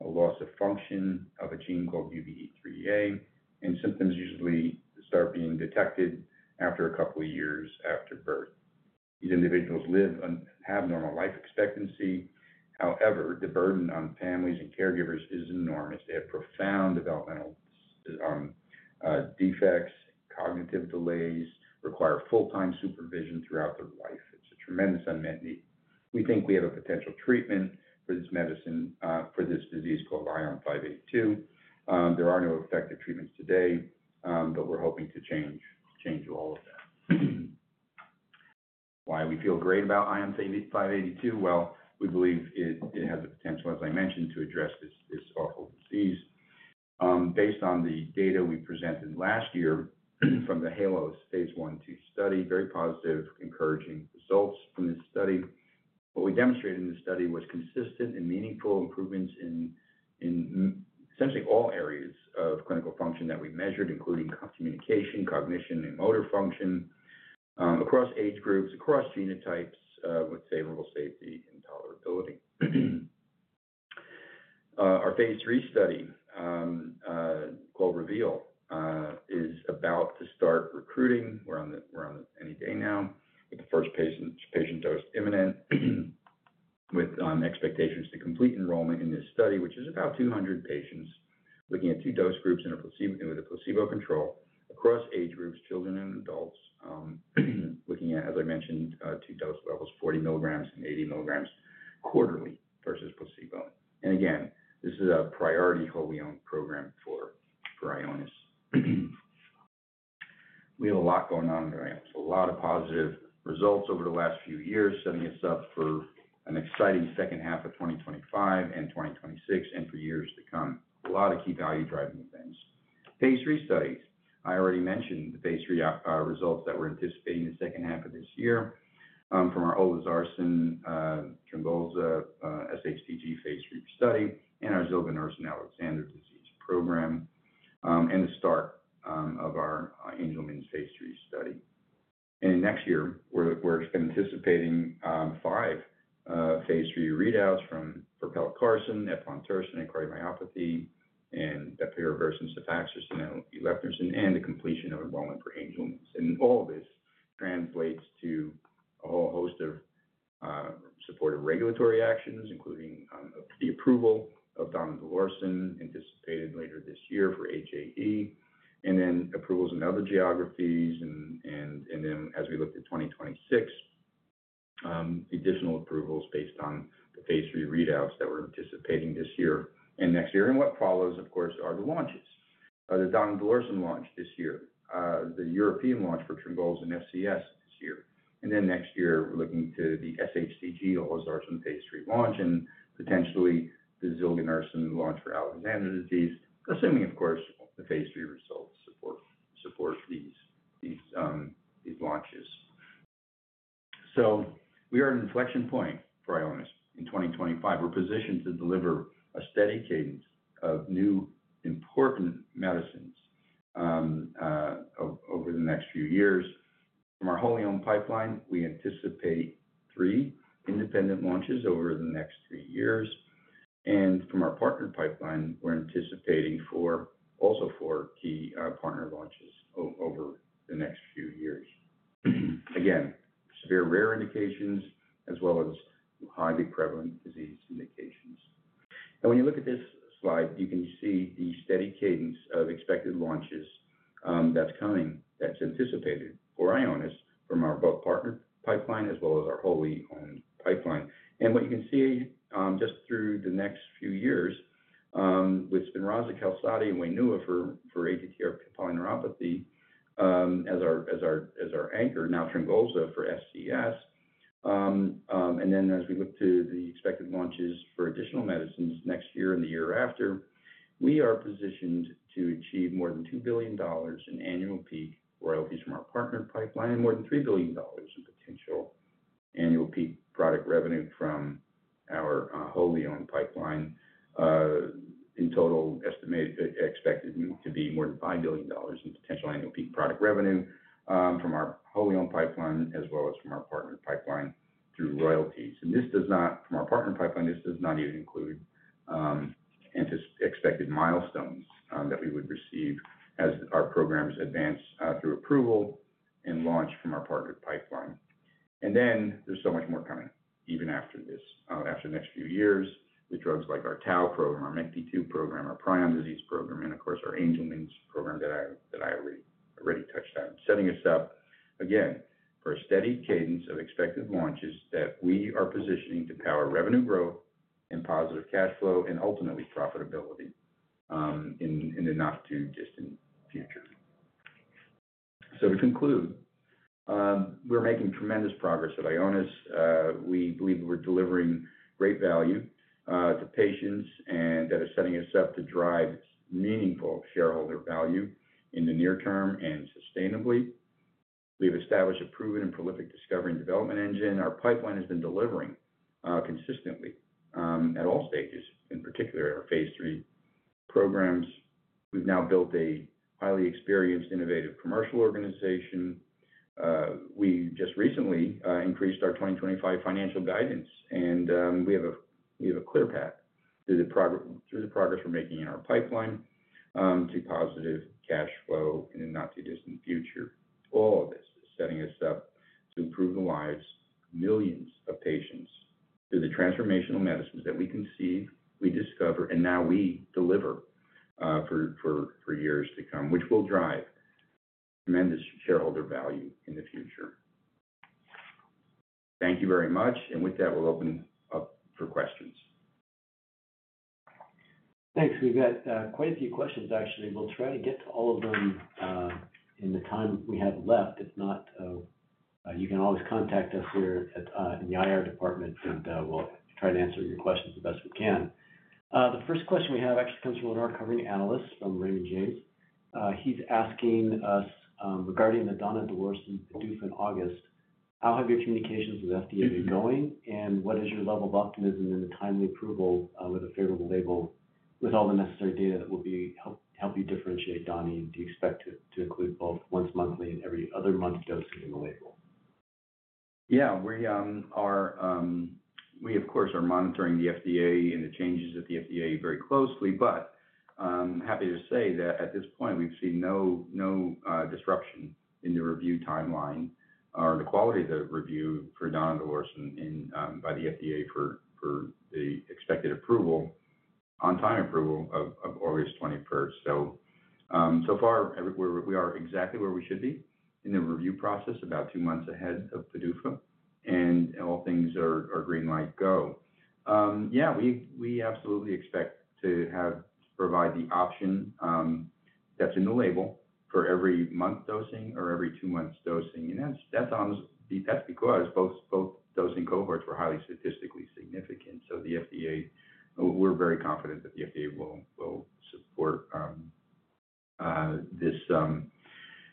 a loss of function of a gene called UBE3A, and symptoms usually start being detected after a couple of years after birth. These individuals live and have normal life expectancy. However, the burden on families and caregivers is enormous. They have profound developmental defects, cognitive delays, require full-time supervision throughout their life. It is a tremendous unmet need. We think we have a potential treatment for this disease called ION582. There are no effective treatments today, but we are hoping to change all of that. Why do we feel great about ION582? We believe it has the potential, as I mentioned, to address this awful disease. Based on the data we presented last year from the HALOS phase one/two study, very positive, encouraging results from this study. What we demonstrated in this study was consistent and meaningful improvements in essentially all areas of clinical function that we measured, including communication, cognition, and motor function across age groups, across genotypes, with favorable safety and tolerability. Our phase three study called Reveal is about to start recruiting. We're on the end of day now with the first patient dose imminent, with expectations to complete enrollment in this study, which is about 200 patients looking at two dose groups with a placebo control across age groups, children and adults, looking at, as I mentioned, two dose levels, 40 mg and 80 mg quarterly versus placebo. This is a priority wholly owned program for Ionis. We have a lot going on in Ionis. A lot of positive results over the last few years setting us up for an exciting second half of 2025 and 2026 and for years to come. A lot of key value-driving events. Phase three studies, I already mentioned the phase three results that we're anticipating the second half of this year from our olezarsen, Tryngolza, SHTG phase three study, and our Zilganersen, Alexander disease program, and the start of our Angelman phase three study. Next year, we're anticipating five phase three readouts from pelacarsen, eplontersen in cardiomyopathy, and bepiravirsen, cefalotocin, and leptosin, and the completion of enrollment for Angelman. All of this translates to a whole host of supportive regulatory actions, including the approval of donidalorsen, anticipated later this year for HAE, and then approvals in other geographies. As we look to 2026, additional approvals based on the phase three readouts that we are anticipating this year and next year. What follows, of course, are the launches. The donidalorsen launch this year, the European launch for Tryngolza in FCS this year. Next year, we are looking to the SHTG, olezarsen phase three launch, and potentially the Zilganersen launch for Alexander disease, assuming, of course, the phase three results support these launches. We are at an inflection point for Ionis in 2025. We are positioned to deliver a steady cadence of new important medicines over the next few years. From our wholly owned pipeline, we anticipate three independent launches over the next three years. From our partner pipeline, we're anticipating also four key partner launches over the next few years. Again, severe rare indications as well as highly prevalent disease indications. When you look at this slide, you can see the steady cadence of expected launches that's coming that's anticipated for Ionis from both our partner pipeline as well as our wholly owned pipeline. What you can see just through the next few years with Spinraza, Qalsody, and Wainua for ATTR polyneuropathy as our anchor, now Tryngolza for FCS. As we look to the expected launches for additional medicines next year and the year after, we are positioned to achieve more than $2 billion in annual peak royalties from our partner pipeline and more than $3 billion in potential annual peak product revenue from our wholly owned pipeline. In total, expected to be more than $5 billion in potential annual peak product revenue from our wholly owned pipeline as well as from our partner pipeline through royalties. This does not, from our partner pipeline, this does not even include expected milestones that we would receive as our programs advance through approval and launch from our partner pipeline. There is so much more coming even after this, after the next few years, with drugs like our COW program, our MECD-2 program, our Prion disease program, and of course, our Angelman's program that I already touched on, setting us up again for a steady cadence of expected launches that we are positioning to power revenue growth and positive cash flow and ultimately profitability in the not-too-distant future. To conclude, we're making tremendous progress at Ionis. We believe we're delivering great value to patients and that are setting us up to drive meaningful shareholder value in the near term and sustainably. We've established a proven and prolific discovery and development engine. Our pipeline has been delivering consistently at all stages, in particular our phase three programs. We've now built a highly experienced, innovative commercial organization. We just recently increased our 2025 financial guidance, and we have a clear path through the progress we're making in our pipeline to positive cash flow in the not-too-distant future. All of this is setting us up to improve the lives of millions of patients through the transformational medicines that we conceive, we discover, and now we deliver for years to come, which will drive tremendous shareholder value in the future. Thank you very much. With that, we'll open up for questions. Thanks. We've got quite a few questions, actually. We'll try to get to all of them in the time we have left. If not, you can always contact us here in the IR department, and we'll try to answer your questions the best we can. The first question we have actually comes from Leonard Covering-Annalis from Raymond James. He's asking us regarding the donidalorsen PDUFA in August, how have your communications with FDA been going, and what is your level of optimism in the timely approval with a favorable label with all the necessary data that will help you differentiate donidalorsen? Do you expect to include both once monthly and every other month dosing in the label? Yeah. We, of course, are monitoring the FDA and the changes at the FDA very closely, but I'm happy to say that at this point, we've seen no disruption in the review timeline or the quality of the review for donidalorsen by the FDA for the expected approval, on-time approval of August 21, 2024. So far, we are exactly where we should be in the review process, about two months ahead of PDUFA, and all things are green light go. Yeah, we absolutely expect to provide the option that's in the label for every month dosing or every two months dosing. And that's because both dosing cohorts were highly statistically significant. So we're very confident that the FDA will support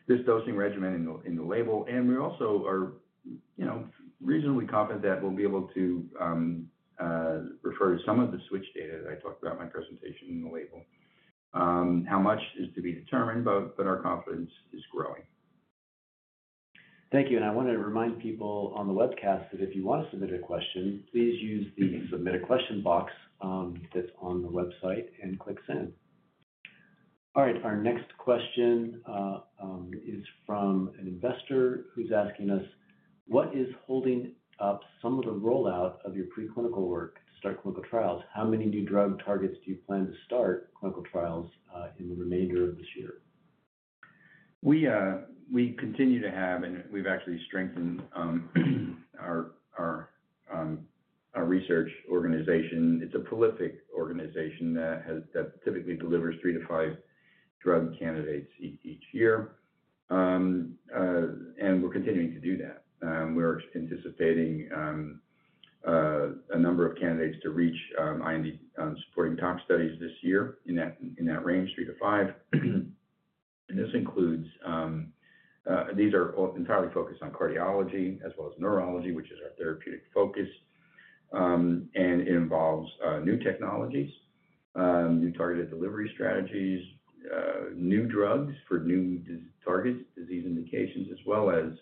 this dosing regimen in the label. We also are reasonably confident that we'll be able to refer to some of the switch data that I talked about in my presentation in the label. How much is to be determined, but our confidence is growing. Thank you. I want to remind people on the webcast that if you want to submit a question, please use the submit a question box that is on the website and click send. All right. Our next question is from an investor who is asking us, what is holding up some of the rollout of your preclinical work to start clinical trials? How many new drug targets do you plan to start clinical trials in the remainder of this year? We continue to have, and we've actually strengthened our research organization. It's a prolific organization that typically delivers three to five drug candidates each year. We're continuing to do that. We're anticipating a number of candidates to reach IND supporting top studies this year in that range, three to five. These are entirely focused on cardiology as well as neurology, which is our therapeutic focus. It involves new technologies, new targeted delivery strategies, new drugs for new targets, disease indications, as well as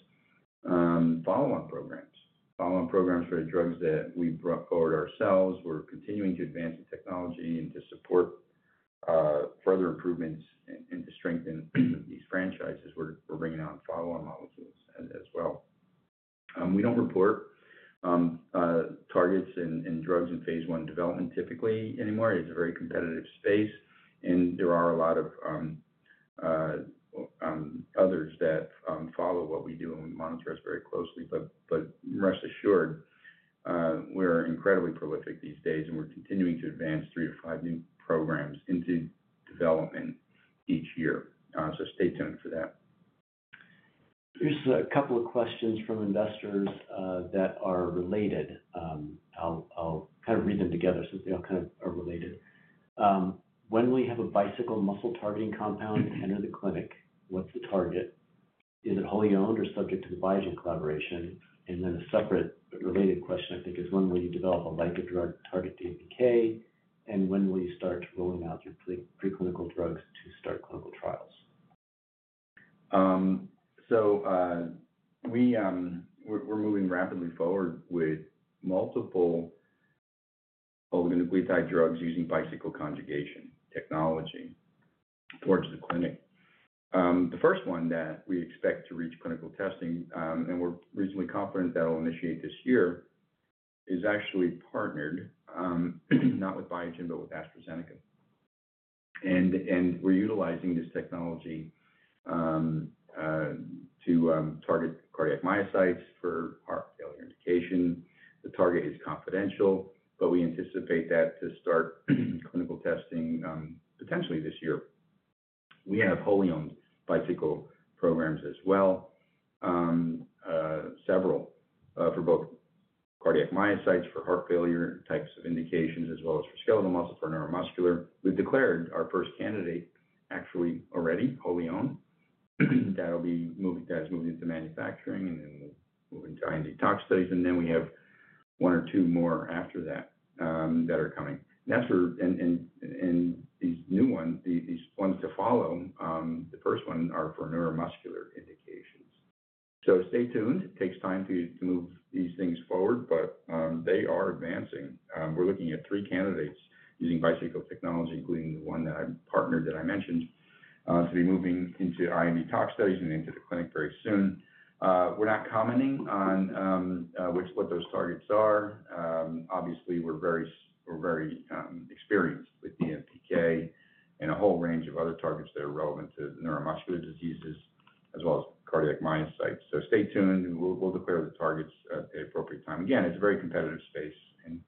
follow-up programs. Follow-up programs for the drugs that we brought forward ourselves. We're continuing to advance the technology and to support further improvements and to strengthen these franchises. We're bringing on follow-up molecules as well. We don't report targets and drugs in phase one development typically anymore. It's a very competitive space, and there are a lot of others that follow what we do, and monitor us very closely. Rest assured, we're incredibly prolific these days, and we're continuing to advance three to five new programs into development each year. Stay tuned for that. Here's a couple of questions from investors that are related. I'll kind of read them together since they all kind of are related. When we have a bicycle muscle targeting compound enter the clinic, what's the target? Is it wholly owned or subject to the Biogen collaboration? A separate related question, I think, is when will you develop a like-a-drug target DNPK, and when will you start rolling out your preclinical drugs to start clinical trials? We're moving rapidly forward with multiple oligonucleotide drugs using bicycle conjugation technology towards the clinic. The first one that we expect to reach clinical testing, and we're reasonably confident that will initiate this year, is actually partnered, not with Biogen, but with AstraZeneca. We're utilizing this technology to target cardiac myocytes for heart failure indication. The target is confidential, but we anticipate that to start clinical testing potentially this year. We have wholly owned bicycle programs as well, several for both cardiac myocytes for heart failure types of indications as well as for skeletal muscle for neuromuscular. We've declared our first candidate actually already wholly owned that is moving into manufacturing and then moving to IND talk studies. We have one or two more after that that are coming. These new ones, these ones to follow, the first one are for neuromuscular indications. Stay tuned. It takes time to move these things forward, but they are advancing. We're looking at three candidates using bicycle technology, including the one that I partnered that I mentioned, to be moving into IND talk studies and into the clinic very soon. We're not commenting on what those targets are. Obviously, we're very experienced with DNPK and a whole range of other targets that are relevant to neuromuscular diseases as well as cardiac myocytes. Stay tuned. We'll declare the targets at the appropriate time. Again, it's a very competitive space, and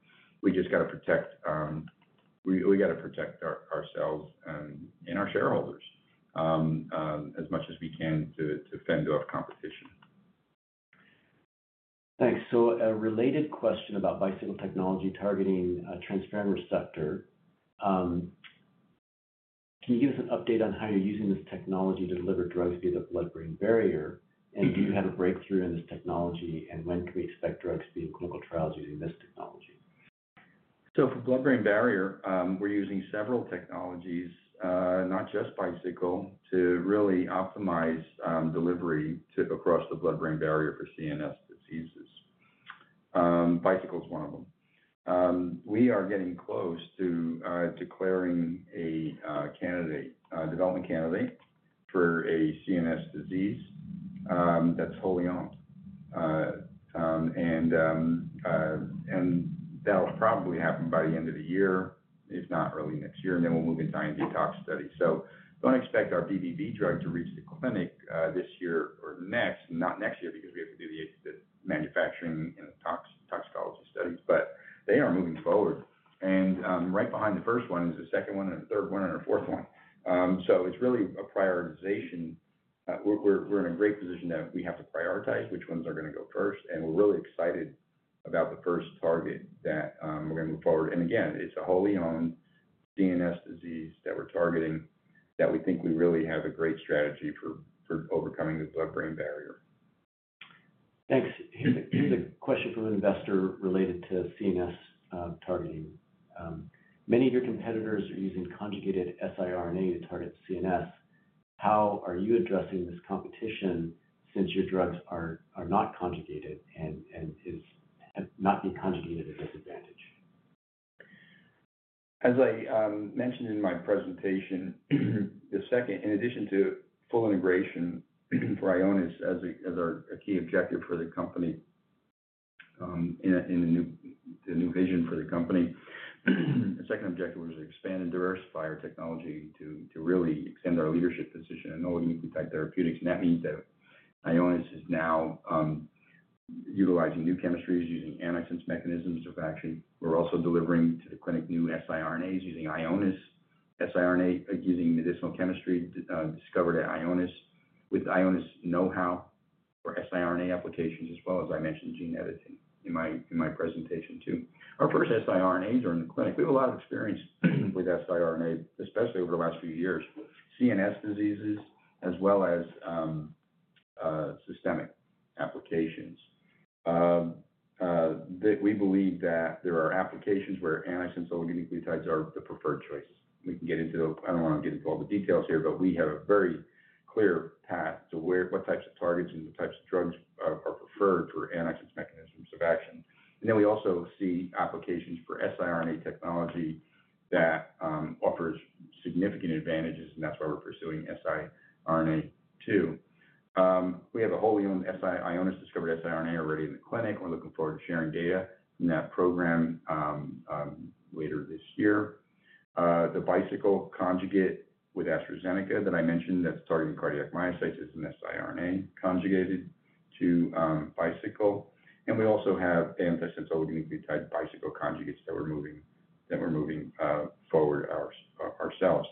we just got to protect ourselves and our shareholders as much as we can to fend off competition. Thanks. A related question about bicycle technology targeting a transferrin receptor. Can you give us an update on how you're using this technology to deliver drugs via the blood-brain barrier? Do you have a breakthrough in this technology, and when can we expect drugs to be in clinical trials using this technology? For blood-brain barrier, we're using several technologies, not just Bicycle, to really optimize delivery across the blood-brain barrier for CNS diseases. Bicycle is one of them. We are getting close to declaring a development candidate for a CNS disease that's wholly owned. That'll probably happen by the end of the year, if not early next year, and then we'll move into IND tox studies. Do not expect our BBB drug to reach the clinic this year or next, not next year because we have to do the manufacturing and toxicology studies, but they are moving forward. Right behind the first one is the second one and the third one and the fourth one. It's really a prioritization. We're in a great position that we have to prioritize which ones are going to go first. We're really excited about the first target that we're going to move forward. Again, it's a wholly owned CNS disease that we're targeting that we think we really have a great strategy for overcoming the blood-brain barrier. Thanks. Here's a question from an investor related to CNS targeting. Many of your competitors are using conjugated siRNA to target CNS. How are you addressing this competition since your drugs are not conjugated and not being conjugated a disadvantage? As I mentioned in my presentation, in addition to full integration for Ionis as a key objective for the company and the new vision for the company, the second objective was to expand and diversify our technology to really extend our leadership position in oligonucleotide therapeutics. That means that Ionis is now utilizing new chemistries, using antisense mechanisms of action. We are also delivering to the clinic new siRNAs using Ionis siRNA, using medicinal chemistry discovered at Ionis with Ionis know-how for siRNA applications, as well as I mentioned gene editing in my presentation too. Our first siRNAs are in the clinic. We have a lot of experience with siRNA, especially over the last few years, CNS diseases as well as systemic applications. We believe that there are applications where antisense oligonucleotides are the preferred choice. We can get into the—I do not want to get into all the details here, but we have a very clear path to what types of targets and what types of drugs are preferred for antisense mechanisms of action. Then we also see applications for siRNA technology that offers significant advantages, and that's why we're pursuing siRNA too. We have a wholly owned Ionis-discovered siRNA already in the clinic. We're looking forward to sharing data in that program later this year. The bicycle conjugate with AstraZeneca that I mentioned that's targeting cardiac myocytes is an siRNA conjugated to bicycle. We also have antisense oligonucleotide bicycle conjugates that we're moving forward ourselves.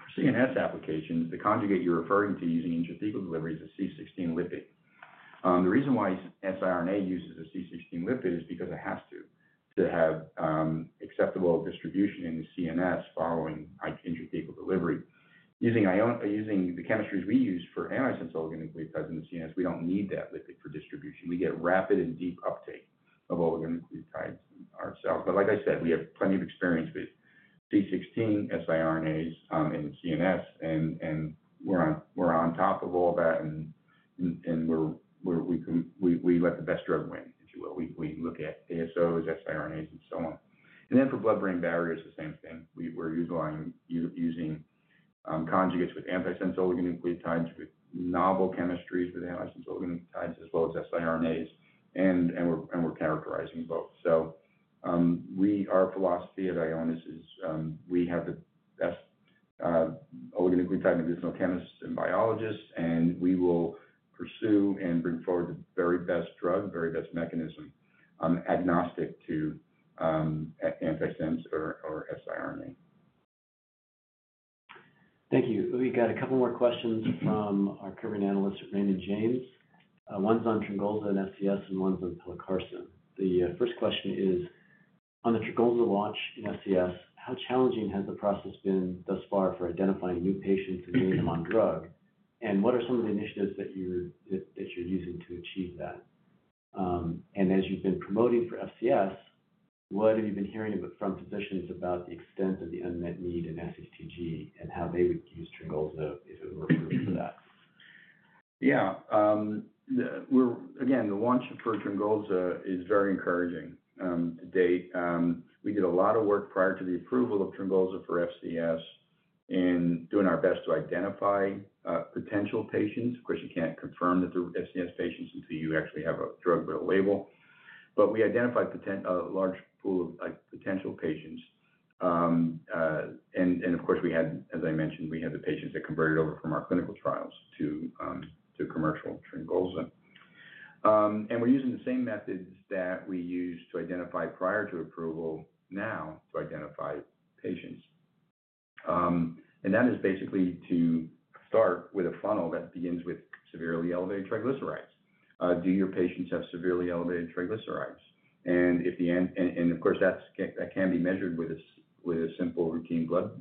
For CNS applications, the conjugate you're referring to using intrathecal delivery is a C16 lipid. The reason why siRNA uses a C16 lipid is because it has to have acceptable distribution in the CNS following intrathecal delivery. Using the chemistries we use for antisense oligonucleotides in the CNS, we do not need that lipid for distribution. We get rapid and deep uptake of oligonucleotides ourselves. Like I said, we have plenty of experience with C16 siRNAs in CNS, and we are on top of all that, and we let the best drug win, if you will. We look at ASOs, siRNAs, and so on. For blood-brain barriers, the same thing. We are using conjugates with antisense oligonucleotides with novel chemistries with antisense oligonucleotides as well as siRNAs, and we are characterizing both. Our philosophy at Ionis is we have the best oligonucleotide medicinal chemists and biologists, and we will pursue and bring forward the very best drug, very best mechanism agnostic to antisense or siRNA. Thank you. We got a couple more questions from our Caribbean analyst, Raymond James. One's on Tryngolza in FCS and one's on pelacarsen. The first question is, on the Tryngolza launch in FCS, how challenging has the process been thus far for identifying new patients and getting them on drug? What are some of the initiatives that you're using to achieve that? As you've been promoting for FCS, what have you been hearing from physicians about the extent of the unmet need in SHTG and how they would use Tryngolza if it were approved for that? Yeah. Again, the launch for Tryngolza is very encouraging to date. We did a lot of work prior to the approval of Tryngolza for FCS in doing our best to identify potential patients. Of course, you can't confirm that they're FCS patients until you actually have a drug with a label. We identified a large pool of potential patients. Of course, as I mentioned, we had the patients that converted over from our clinical trials to commercial Tryngolza. We're using the same methods that we used to identify prior to approval now to identify patients. That is basically to start with a funnel that begins with severely elevated triglycerides. Do your patients have severely elevated triglycerides? Of course, that can be measured with a simple routine blood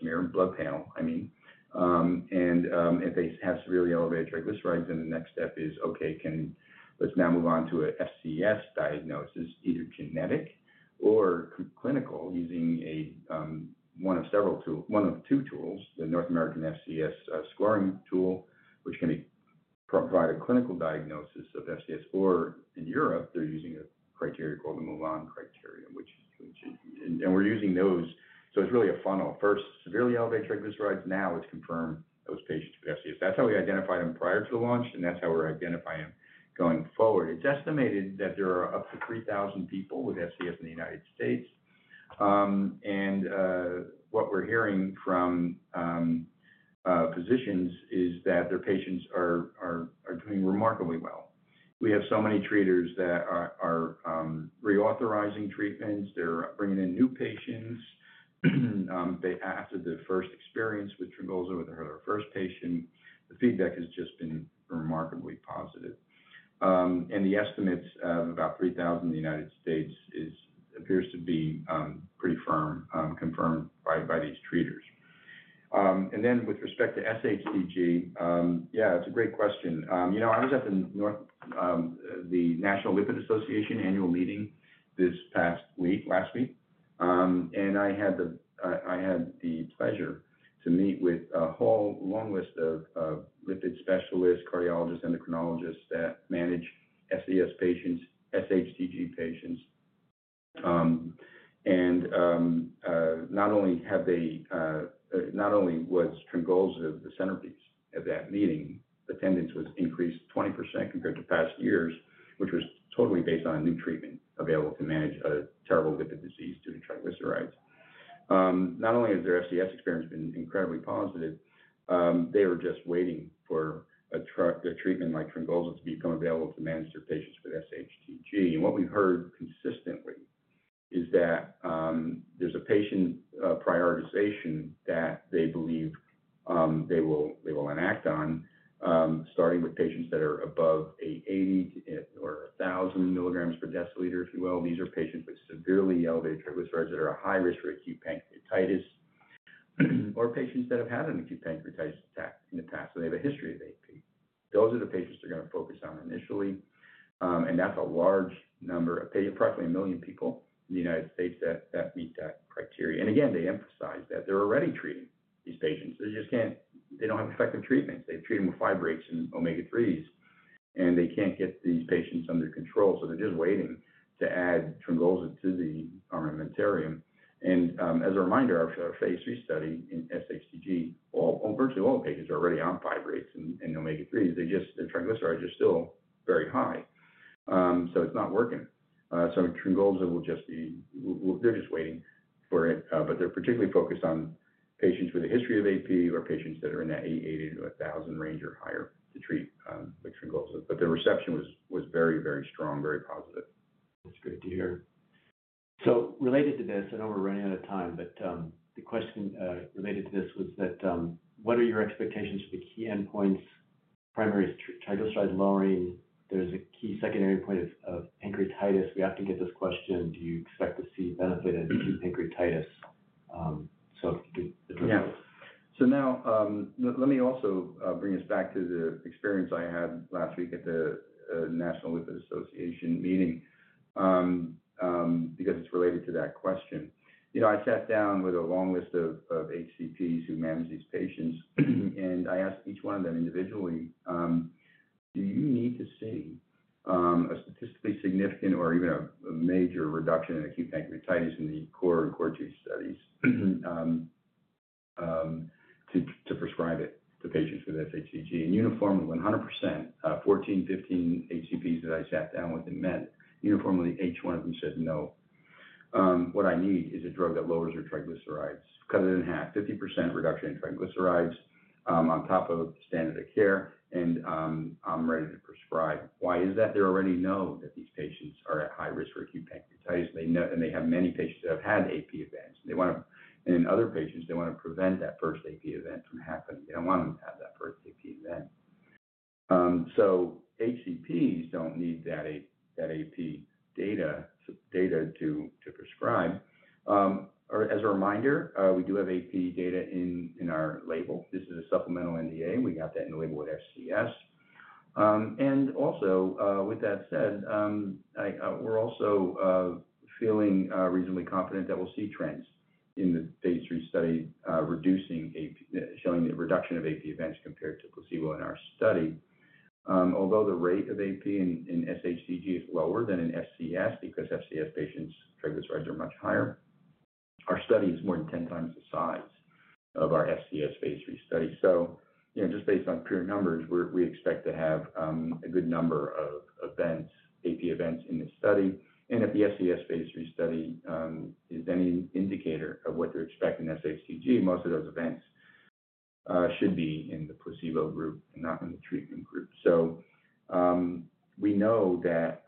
smear, blood panel, I mean. If they have severely elevated triglycerides, then the next step is, okay, let's now move on to an FCS diagnosis, either genetic or clinical, using one of two tools, the North American FCS scoring tool, which can provide a clinical diagnosis of FCS. In Europe, they're using a criteria called the Move On criteria, which is—and we're using those. It is really a funnel. First, severely elevated triglycerides. Now it is confirmed those patients with FCS. That is how we identified them prior to the launch, and that is how we're identifying them going forward. It is estimated that there are up to 3,000 people with FCS in the United States. What we're hearing from physicians is that their patients are doing remarkably well. We have so many treaters that are reauthorizing treatments. They're bringing in new patients. After the first experience with Tryngolza, with our first patient, the feedback has just been remarkably positive. The estimates of about 3,000 in the United States appear to be pretty firm, confirmed by these treaters. With respect to SHTG, yeah, it's a great question. I was at the National Lipid Association annual meeting this past week, last week. I had the pleasure to meet with a whole long list of lipid specialists, cardiologists, endocrinologists that manage FCS patients, SHTG patients. Not only was Tryngolza the centerpiece at that meeting, attendance was increased 20% compared to past years, which was totally based on a new treatment available to manage a terrible lipid disease due to triglycerides. Not only has their FCS experience been incredibly positive, they are just waiting for a treatment like Tryngolza to become available to manage their patients with SHTG. What we have heard consistently is that there is a patient prioritization that they believe they will enact on, starting with patients that are above 800 or 1,000 milligrams per deciliter, if you will. These are patients with severely elevated triglycerides that are at high risk for acute pancreatitis or patients that have had an acute pancreatitis attack in the past. They have a history of AP. Those are the patients they are going to focus on initially. That is a large number of approximately one million people in the United States that meet that criteria. Again, they emphasize that they are already treating these patients. They do not have effective treatments. They treat them with fibrates and omega-3s, and they cannot get these patients under control. They are just waiting to add Tryngolza to the armamentarium. As a reminder, our phase three study in SHTG, virtually all the patients are already on fibrates and omega-3s. Their triglycerides are still very high. It is not working. Tryngolza will just be—they are just waiting for it. They are particularly focused on patients with a history of AP or patients that are in that 80-1,000 range or higher to treat with Tryngolza. The reception was very, very strong, very positive. That's good to hear. Related to this, I know we're running out of time, but the question related to this was that, what are your expectations for the key endpoints? Primary triglyceride lowering. There's a key secondary endpoint of pancreatitis. We have to get this question. Do you expect to see benefit in acute pancreatitis? If you could address that. Yeah. Now let me also bring us back to the experience I had last week at the National Lipid Association meeting because it is related to that question. I sat down with a long list of HCPs who manage these patients, and I asked each one of them individually, "Do you need to see a statistically significant or even a major reduction in acute pancreatitis in the core and core two studies to prescribe it to patients with SHTG?" Uniformly, 100%, 14, 15 HCPs that I sat down with and met, uniformly, each one of them said no. What I need is a drug that lowers their triglycerides. Cut it in half. 50% reduction in triglycerides on top of standard of care, and I'm ready to prescribe. Why is that? They already know that these patients are at high risk for acute pancreatitis, and they have many patients that have had AP events. In other patients, they want to prevent that first AP event from happening. They do not want them to have that first AP event. HCPs do not need that AP data to prescribe. As a reminder, we do have AP data in our label. This is a supplemental NDA. We got that in the label with FCS. Also, with that said, we are also feeling reasonably confident that we will see trends in the phase three study showing the reduction of AP events compared to placebo in our study. Although the rate of AP in SHTG is lower than in FCS because FCS patients' triglycerides are much higher, our study is more than 10 times the size of our FCS phase three study. Just based on pure numbers, we expect to have a good number of AP events in this study. If the FCS phase three study is any indicator of what to expect in SHTG, most of those events should be in the placebo group and not in the treatment group. We know that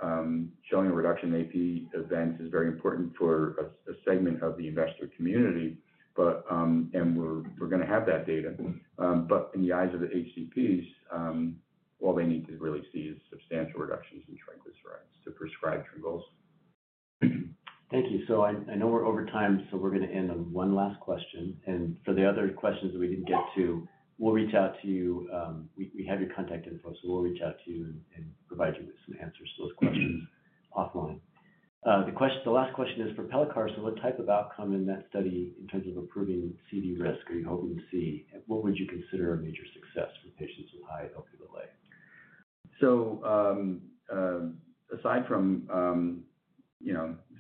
showing a reduction in AP events is very important for a segment of the investor community, and we're going to have that data. In the eyes of the HCPs, all they need to really see is substantial reductions in triglycerides to prescribe Tryngolza. Thank you. I know we're over time, so we're going to end on one last question. For the other questions that we didn't get to, we'll reach out to you. We have your contact info, so we'll reach out to you and provide you with some answers to those questions offline. The last question is for pelacarsen, what type of outcome in that study in terms of improving CV risk are you hoping to see? What would you consider a major success for patients with high Lp(a)? Aside from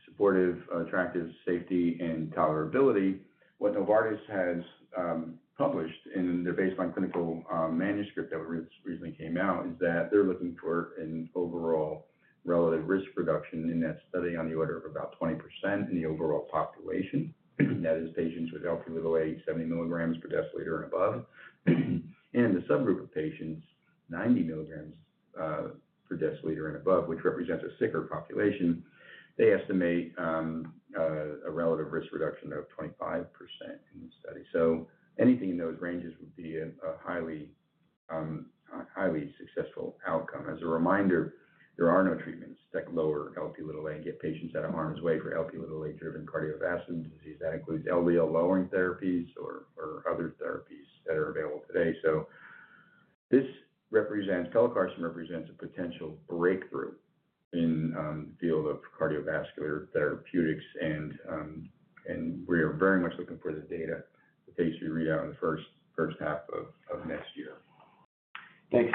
supportive, attractive, safety, and tolerability, what Novartis has published in their baseline clinical manuscript that recently came out is that they're looking for an overall relative risk reduction in that study on the order of about 20% in the overall population. That is, patients with Lp(a) 70 milligrams per deciliter and above. In the subgroup of patients, 90 milligrams per deciliter and above, which represents a sicker population, they estimate a relative risk reduction of 25% in this study. Anything in those ranges would be a highly successful outcome. As a reminder, there are no treatments that lower Lp(a) and get patients out of harm's way for Lp(a)-driven cardiovascular disease. That includes LDL-lowering therapies or other therapies that are available today. Pelacarsen represents a potential breakthrough in the field of cardiovascular therapeutics, and we are very much looking for the data that they should read out in the first half of next year. Thanks.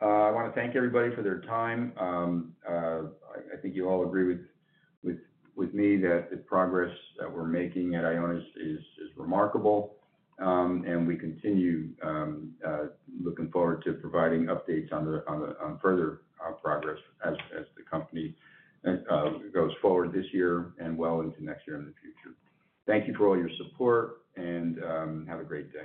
I want to thank everybody for their time. I think you all agree with me that the progress that we're making at Ionis is remarkable. We continue looking forward to providing updates on further progress as the company goes forward this year and well into next year and the future. Thank you for all your support, and have a great day.